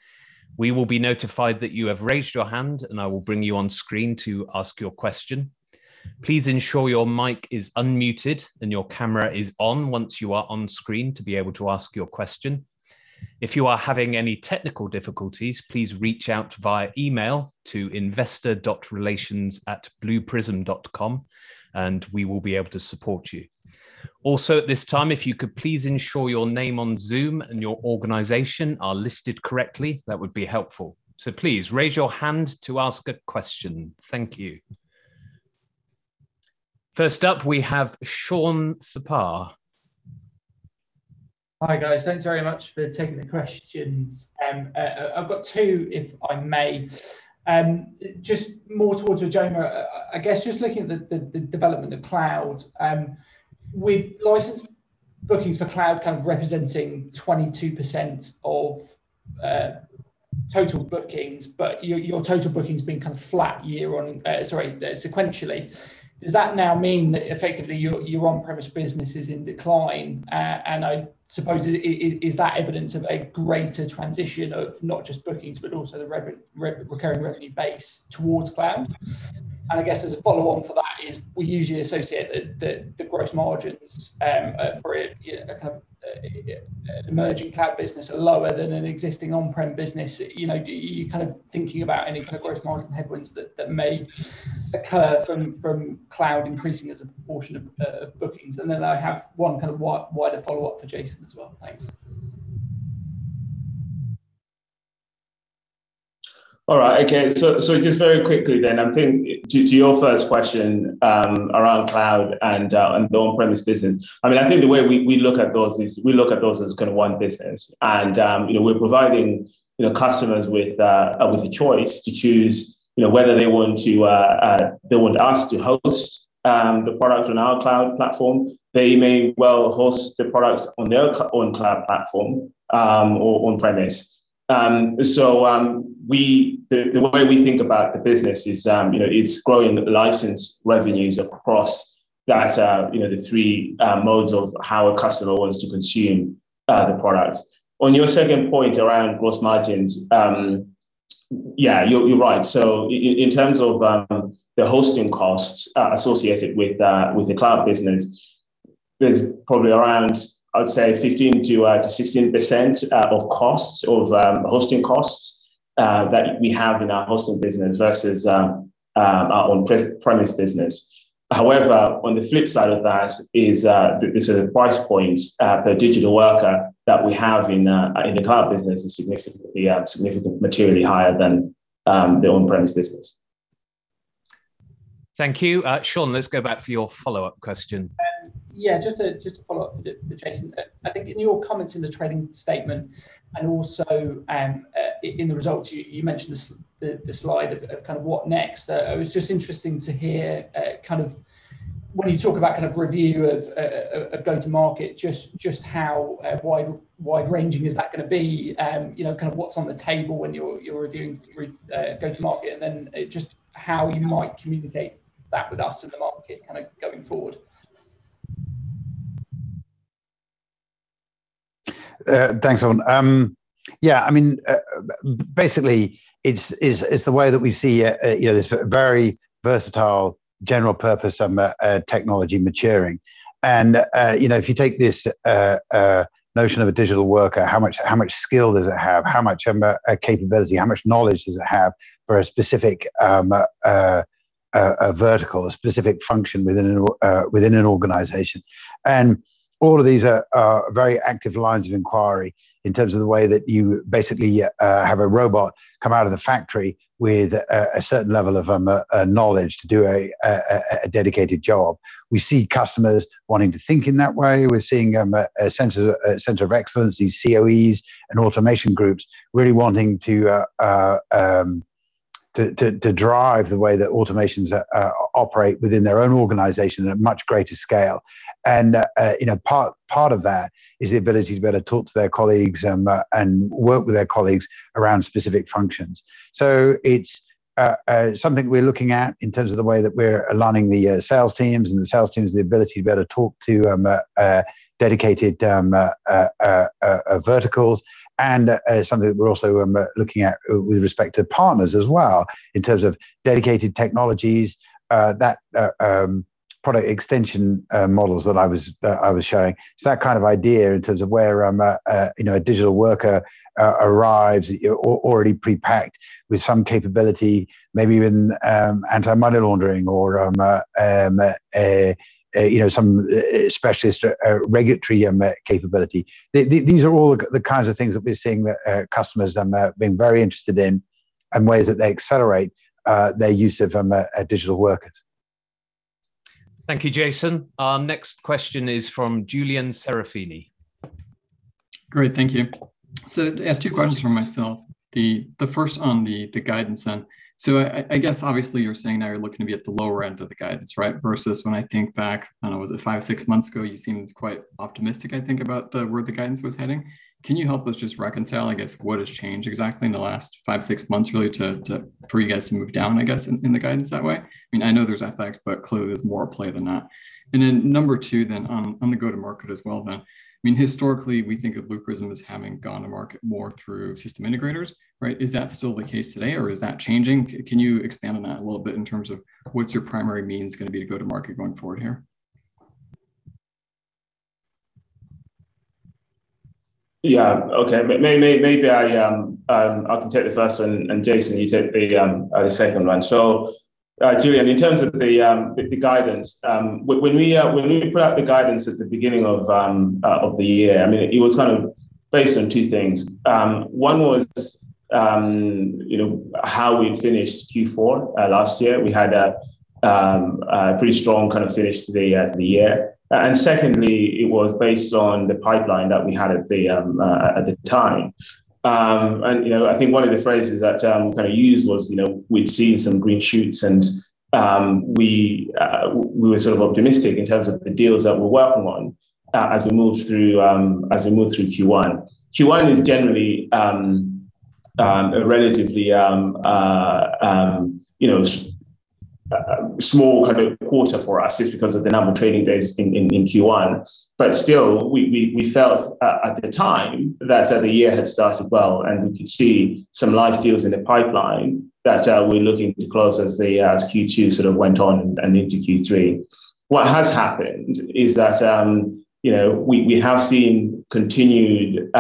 We will be notified that you have raised your hand, and I will bring you on screen to ask your question. Please ensure your mic is unmuted and your camera is on once you are on screen to be able to ask your question. If you are having any technical difficulties, please reach out via email to investor.relations@blueprism.com and we will be able to support you. At this time, if you could please ensure your name on Zoom and your organization are listed correctly, that would be helpful. Please raise your hand to ask a question. Thank you. First up, we have Gautam Pillai. Hi, guys. Thanks very much for taking the questions. I've got two, if I may. More towards Ijeoma, looking at the development of cloud. With license bookings for cloud representing 22% of-Total bookings, your total bookings being flat year on sequentially. Does that now mean that effectively your on-premise business is in decline? I suppose is that evidence of a greater transition of not just bookings, but also the recurring revenue base towards cloud? As a follow-on from that is, we usually associate the gross margins for it, a kind of emerging cloud business are lower than an existing on-prem business. Are you thinking about any gross margin headwinds that may occur from cloud increasing as a proportion of bookings? I have one kind of wider follow-up for Jason as well. Thanks. All right. Okay. Just very quickly then, I think to your first question around cloud and the on-premise business. I think the way we look at those is we look at those as one business and we're providing customers with the choice to choose whether they want us to host the product on our cloud platform. They may well host the products on their own cloud platform, or on-premise. The way we think about the business is it's growing the license revenues across the three modes of how a customer wants to consume the product. On your second point around gross margins, yeah, you're right. In terms of the hosting costs associated with the cloud business, there's probably around, I'd say 15%-16% of hosting costs that we have in our hosting business versus on-premise business. On the flip side of that is the price point, the digital worker that we have in the cloud business is materially higher than the on-premise business. Thank you. Gautam, let's go back for your follow-up question. Yeah, just to follow up with Jason. I think in your comments in the trading statement and also in the results you mentioned the slide of what next. It was just interesting to hear when you talk about review of go-to-market, just how wide-ranging is that going to be? What's on the table when you're reviewing go-to-market and just how you might communicate that with us in the market going forward. Thanks, Sean. Yeah, basically it's the way that we see this very versatile general purpose technology maturing. If you take this notion of a digital worker, how much skill does it have, how much capability, how much knowledge does it have for a specific vertical, a specific function within an organization? All of these are very active lines of inquiry in terms of the way that you basically have a robot come out of the factory with a certain level of knowledge to do a dedicated job. We see customers wanting to think in that way. We're seeing a center of excellence, these COEs, and automation groups really wanting to drive the way that automations operate within their own organization at a much greater scale. Part of that is the ability to be able to talk to their colleagues and work with their colleagues around specific functions. It's something we're looking at in terms of the way that we're aligning the sales teams, and the sales teams have the ability to be able to talk to dedicated verticals and something we're also looking at with respect to partners as well, in terms of dedicated technologies, that product extension models that I was showing. That kind of idea in terms of where a digital worker arrives already pre-packed with some capability, maybe even anti-money laundering or some specialist regulatory capability. These are all the kinds of things that we're seeing that customers have been very interested in and ways that they accelerate their use of digital workers. Thank you, Jason. Our next question is from Julian Serafini. Great. Thank you. I have 2 questions for myself. The first on the guidance end. I guess obviously you're saying now you're looking to be at the lower end of the guidance, right? Versus when I think back, was it 5, 6 months ago, you seemed quite optimistic, I think, about where the guidance was heading. Can you help us just reconcile, I guess, what has changed exactly in the last 5, 6 months really for you guys to move down, I guess, in the guidance that way? I know there's FX, but clearly there's more at play than that. Number 2 then on the go-to-market as well then. Historically, we think of Blue Prism as having gone to market more through system integrators, right? Is that still the case today or is that changing? Can you expand on that a little bit in terms of what's your primary means going to be go-to-market going forward here? Yeah. Okay. Maybe I can take this first and Jason you take the second one. Julian, in terms of the guidance, when we put out the guidance at the beginning of the year, it was based on two things. One was how we finished Q4 last year. We had a pretty strong finish to the year. Secondly, it was based on the pipeline that we had at the time. I think one of the phrases that I used was we'd seen some green shoots and we were optimistic in terms of the deals that we're working on as we move through Q1. Q1 is generally a. Small kind of quarter for us just because of the number of trading days in Q1. Still, we felt at the time that the year had started well, and we could see some live deals in the pipeline that we were looking to close as Q2 sort of went on and into Q3. What has happened is that we have seen continued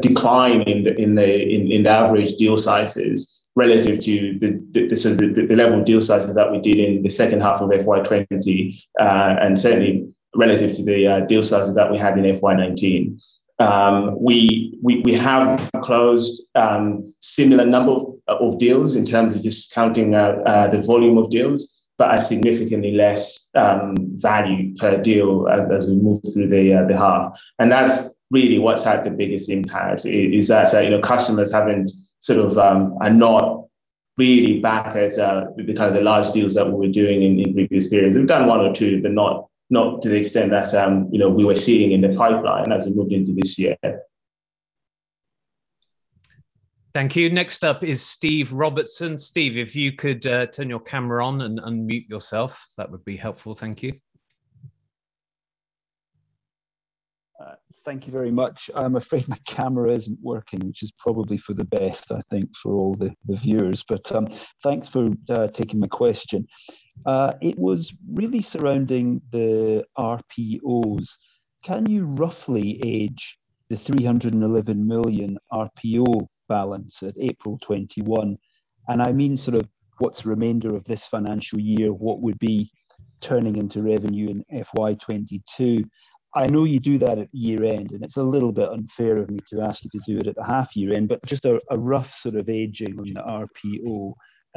decline in the average deal sizes relative to the level of deal sizes that we did in the second half of FY 2020, and certainly relative to the deal sizes that we had in FY 2019. We have closed similar number of deals in terms of just counting out the volume of deals, but at significantly less value per deal as we move through the half. That's really what's had the biggest impact, is that customers are not really back at the kind of the large deals that we were doing in previous periods. We've done one or two, but not to the extent that we were seeing in the pipeline as we moved into this year. Thank you. Next up is Stephen Robertson Steve, if you could turn your camera on and unmute yourself, that would be helpful. Thank you. Thank you very much. I'm afraid my camera isn't working, which is probably for the best, I think, for all the viewers. Thanks for taking my question. It was really surrounding the RPOs. Can you roughly age the 311 million RPO balance at April 2021? I mean sort of what's remainder of this financial year, what would be turning into revenue in FY 2022? I know you do that at year-end, and it's a little bit unfair of me to ask you to do it at the half year-end, but just a rough sort of aging on the RPO.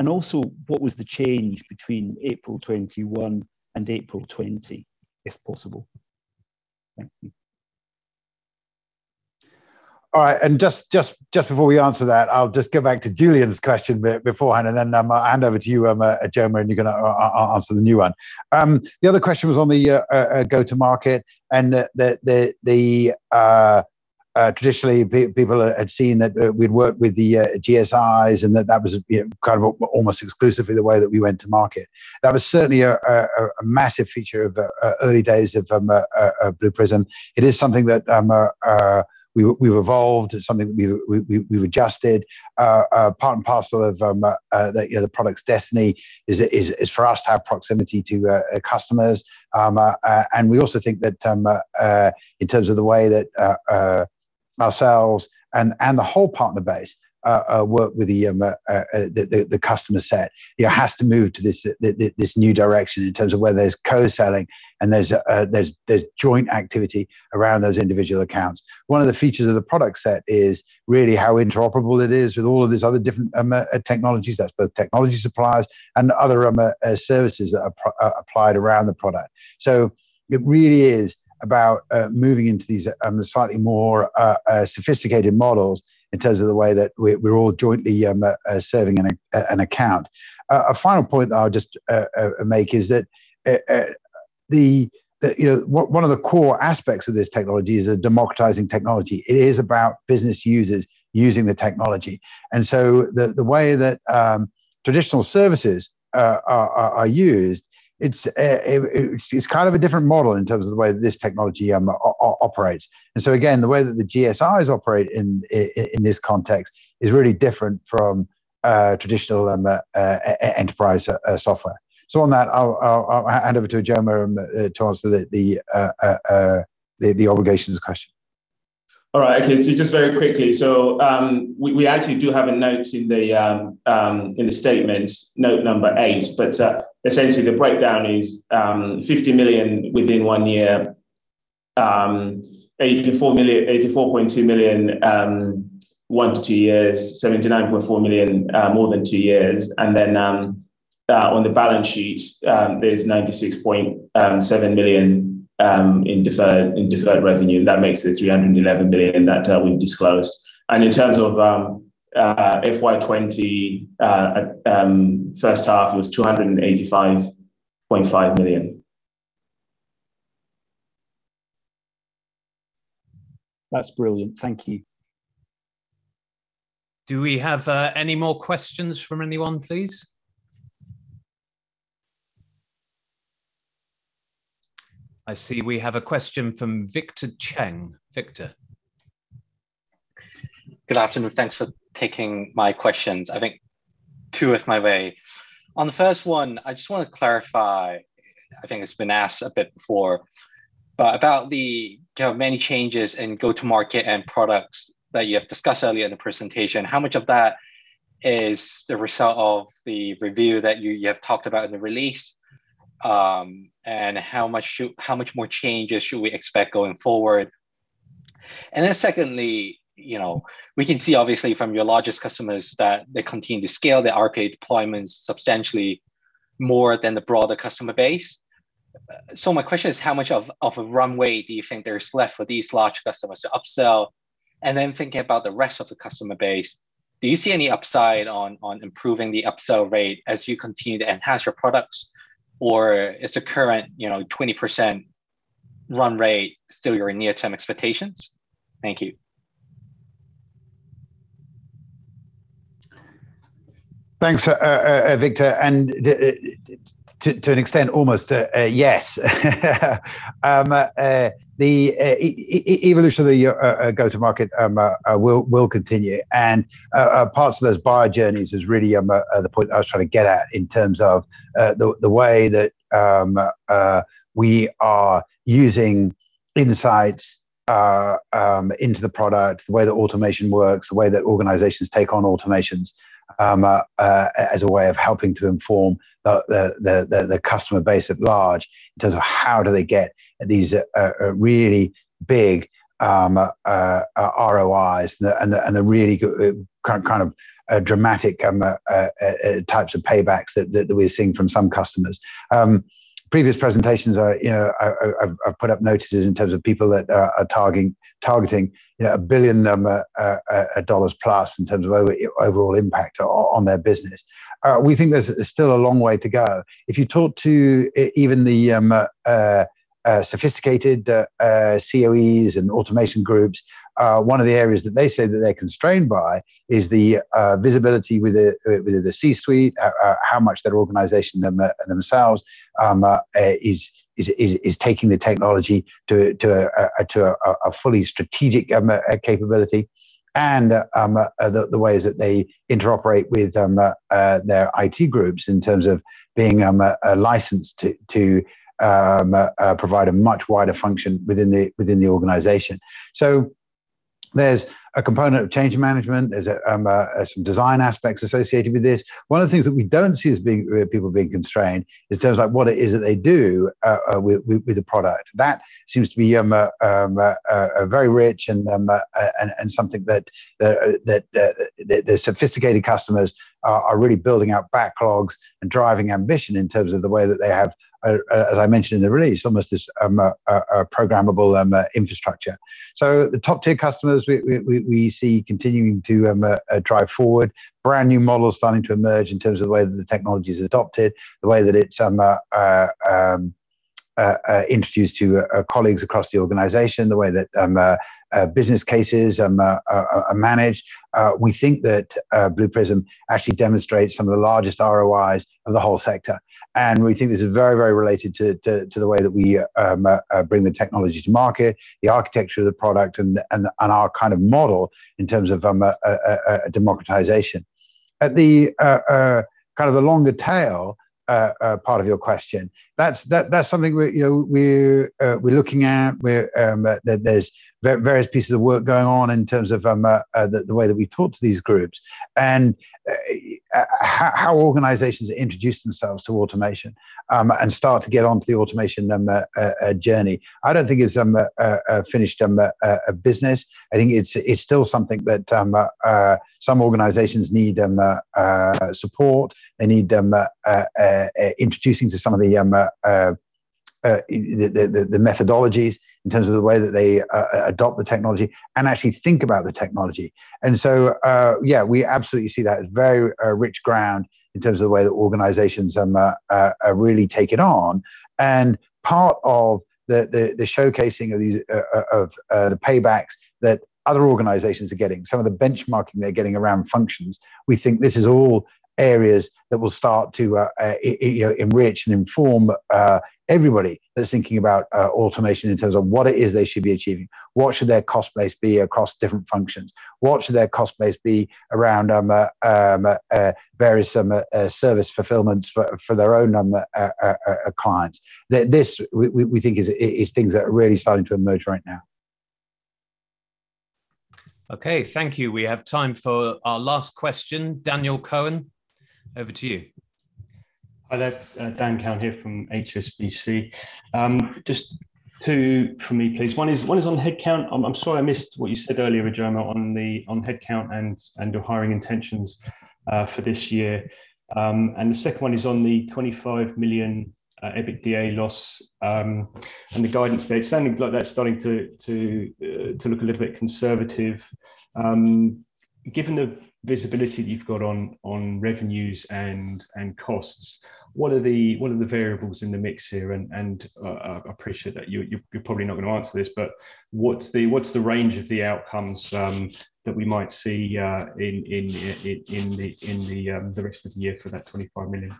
Also, what was the change between April 2021 and April 2020, if possible? Thank you. All right. Just before we answer that, I'll just go back to Julian's question beforehand, then I'll hand over to you, Ijeoma, you're going to answer the new one. The other question was on the go-to market, traditionally people had seen that we'd worked with the GSIs, that was kind of almost exclusively the way that we went to market. That was certainly a massive feature of the early days of Blue Prism. It is something that we've evolved. It's something we've adjusted. Part and parcel of the product's destiny is for us to have proximity to customers. We also think that in terms of the way that ourselves and the whole partner base work with the customer set has to move to this new direction in terms of where there's co-selling and there's joint activity around those individual accounts. One of the features of the product set is really how interoperable it is with all of these other different technologies. That's both technology suppliers and other services that are applied around the product. It really is about moving into these slightly more sophisticated models in terms of the way that we're all jointly serving an account. A final point that I'll just make is that one of the core aspects of this technology is a democratizing technology. It is about business users using the technology. The way that traditional services are used, it's kind of a different model in terms of the way that this technology operates. Again, the way that the GSIs operate in this context is really different from traditional enterprise software. On that, I'll hand over to Ijeoma Uche-Okeke to answer the obligations question. All right. Okay. Just very quickly. We actually do have a note in the statement, note number eight. Essentially the breakdown is 50 million within 1 year, 84.2 million 1-2 years, 79.4 million more than 2 years. On the balance sheet, there's 96.7 million in deferred revenue. That makes it 311 million that we've disclosed. In terms of FY 2020 first half, it was 285.5 million. That's brilliant. Thank you. Do we have any more questions from anyone, please? I see we have a question from Victor Cheng. Victor. Good afternoon. Thanks for taking my questions. I think two if I may. On the first one, I just want to clarify, I think it's been asked a bit before, but about the kind of many changes in go-to market and products that you have discussed earlier in the presentation, how much of that is the result of the review that you have talked about in the release? How much more changes should we expect going forward? Secondly, we can see obviously from your largest customers that they continue to scale their RPA deployments substantially more than the broader customer base. My question is, how much of a runway do you think there is left for these large customers to upsell? Thinking about the rest of the customer base, do you see any upside on improving the upsell rate as you continue to enhance your products? Or is the current 20%? run rate still your near-term expectations? Thank you. Thanks, Victor. To an extent, almost a yes. The evolution of the go-to market will continue, and parts of those buyer journeys is really the point I was trying to get at in terms of the way that we are using insights into the product, the way that automation works, the way that organizations take on automations as a way of helping to inform the customer base at large in terms of how do they get these really big ROIs and the really dramatic types of paybacks that we're seeing from some customers. Previous presentations, I put up notices in terms of people that are targeting GBP 1 billion-plus in terms of overall impact on their business. We think there's still a long way to go. If you talk to even the sophisticated COEs and automation groups, one of the areas that they say that they're constrained by is the visibility with the C-suite, how much their organization themselves is taking the technology to a fully strategic capability and the ways that they interoperate with their IT groups in terms of being licensed to provide a much wider function within the organization. There's a component of change management. There's some design aspects associated with this. One of the things that we don't see is people being constrained in terms of what it is that they do with the product. That seems to be very rich and something that the sophisticated customers are really building out backlogs and driving ambition in terms of the way that they have, as I mentioned in the release, almost this programmable infrastructure. The top tier customers we see continuing to drive forward. Brand new models starting to emerge in terms of the way that the technology's adopted, the way that it's introduced to colleagues across the organization, the way that business cases are managed. We think that Blue Prism actually demonstrates some of the largest ROIs for the whole sector, and we think this is very related to the way that we bring the technology to market, the architecture of the product, and our kind of model in terms of democratization. At the kind of the longer tail part of your question, that's something we're looking at. There's various pieces of work going on in terms of the way that we talk to these groups and how organizations introduce themselves to automation and start to get onto the automation journey. I don't think it's a finished business. I think it's still something that some organizations need support. They need introducing to some of the methodologies in terms of the way that they adopt the technology and actually think about the technology. Yeah, we absolutely see that as very rich ground in terms of the way that organizations are really taking on. Part of the showcasing of the paybacks that other organizations are getting, some of the benchmarking they're getting around functions, we think this is all areas that will start to enrich and inform everybody that's thinking about automation in terms of what it is they should be achieving. What should their cost base be across different functions? What should their cost base be around various service fulfillments for their own clients? This, we think, is things that are really starting to emerge right now. Okay, thank you. We have time for our last question. Daniel Cohen, over to you. Hi there. Daniel Cohen here from HSBC. Just two from me, please. One is on headcount. I'm sorry, I missed what you said earlier, Ijeoma, on headcount and your hiring intentions for this year. The second one is on the 25 million EBITDA loss and the guidance there. It's sounding like that's starting to look a little bit conservative. Given the visibility you've got on revenues and costs, what are the variables in the mix here? I appreciate that you're probably not going to answer this, but what's the range of the outcomes that we might see in the rest of the year for that 25 million?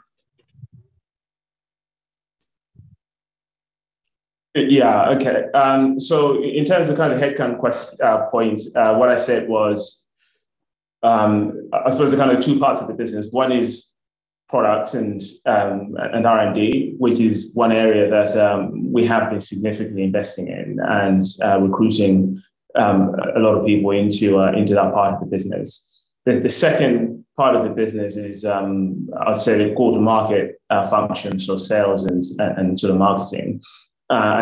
Yeah. Okay. In terms of headcount points, what I said was, I suppose there's kind of two parts of the business. One is products and R&D, which is one area that we have been significantly investing in and recruiting a lot of people into that part of the business. The second part of the business is, I would say, the go-to-market functions for sales and marketing.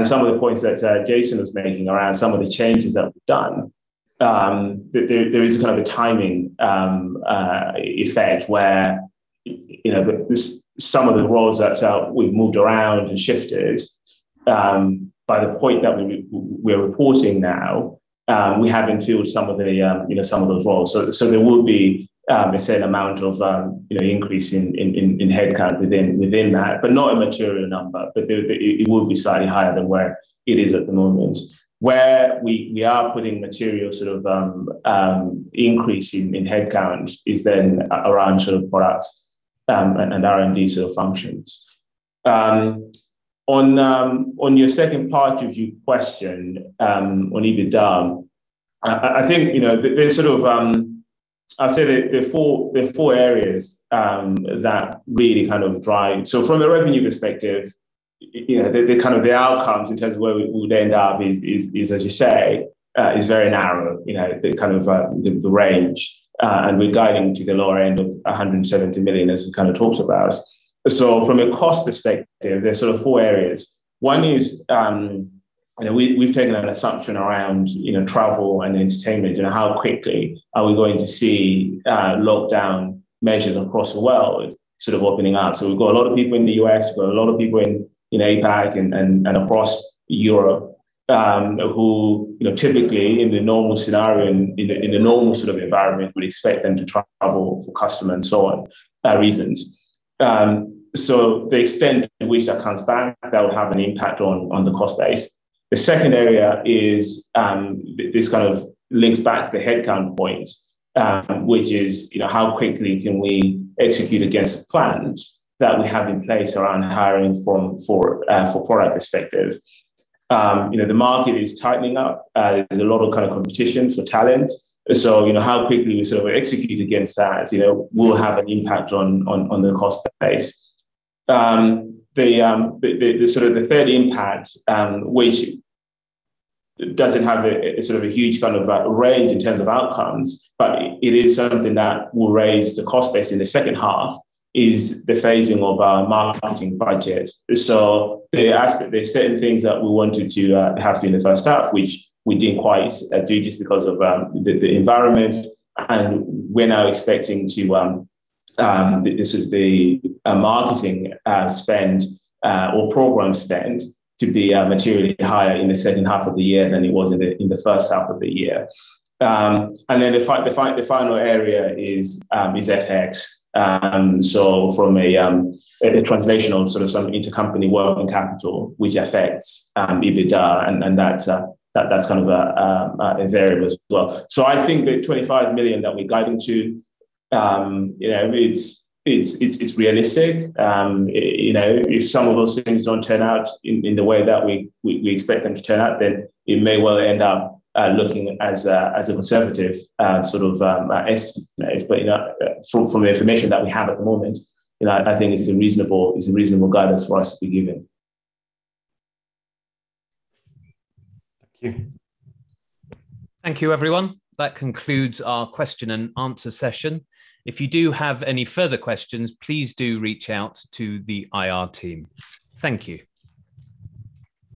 Some of the points that Jason was making around some of the changes that we've done, there is kind of a timing effect where some of the roles we've moved around and shifted. By the point that we're reporting now, we have included some of the roles. There will be a certain amount of increase in headcount within that, but not a material number, but it will be slightly higher than where it is at the moment. Where we are putting material sort of increase in headcount is around sort of products and R&D functions. On your second part of your question on EBITDA, I said there are 4 areas that really kind of drive. From the revenue perspective, the kind of the outcomes in terms of where we would end up is, as you say, is very narrow, the kind of the range, and we're guiding to the lower end of 170 million, as we kind of talked about. From a cost perspective, there's sort of 4 areas. One is we've taken an assumption around travel and entertainment and how quickly are we going to see lockdown measures across the world sort of opening up. We've got a lot of people in the U.S., we've got a lot of people in APAC and across Europe who typically in the normal scenario, in a normal sort of environment, we expect them to travel for customer and so on reasons. The extent to which that comes back, that would have an impact on the cost base. The second area is, this kind of links back to the headcount point, which is how quickly can we execute against the plans that we have in place around hiring for product perspective. The market is tightening up. There's a lot of competition for talent. How quickly we sort of execute against that will have an impact on the cost base. The sort of the third impact, which doesn't have a sort of huge kind of range in terms of outcomes, but it is something that will raise the cost base in the second half, is the phasing of our marketing budget. There's certain things that we wanted to have in the first half, which we didn't quite do just because of the environment, and we're now expecting the marketing spend or program spend to be materially higher in the second half of the year than it was in the first half of the year. The final area is FX. From a transitional sort of intercompany working capital, which affects EBITDA and that's kind of a variable as well. I think the 25 million that we guided to, it's realistic. If some of those things don't turn out in the way that we expect them to turn out, then it may well end up looking as a conservative sort of estimate. From the information that we have at the moment, I think it's a reasonable guidance for us to be giving. Thank you. Thank you, everyone. That concludes our question and answer session. If you do have any further questions, please do reach out to the IR team. Thank you.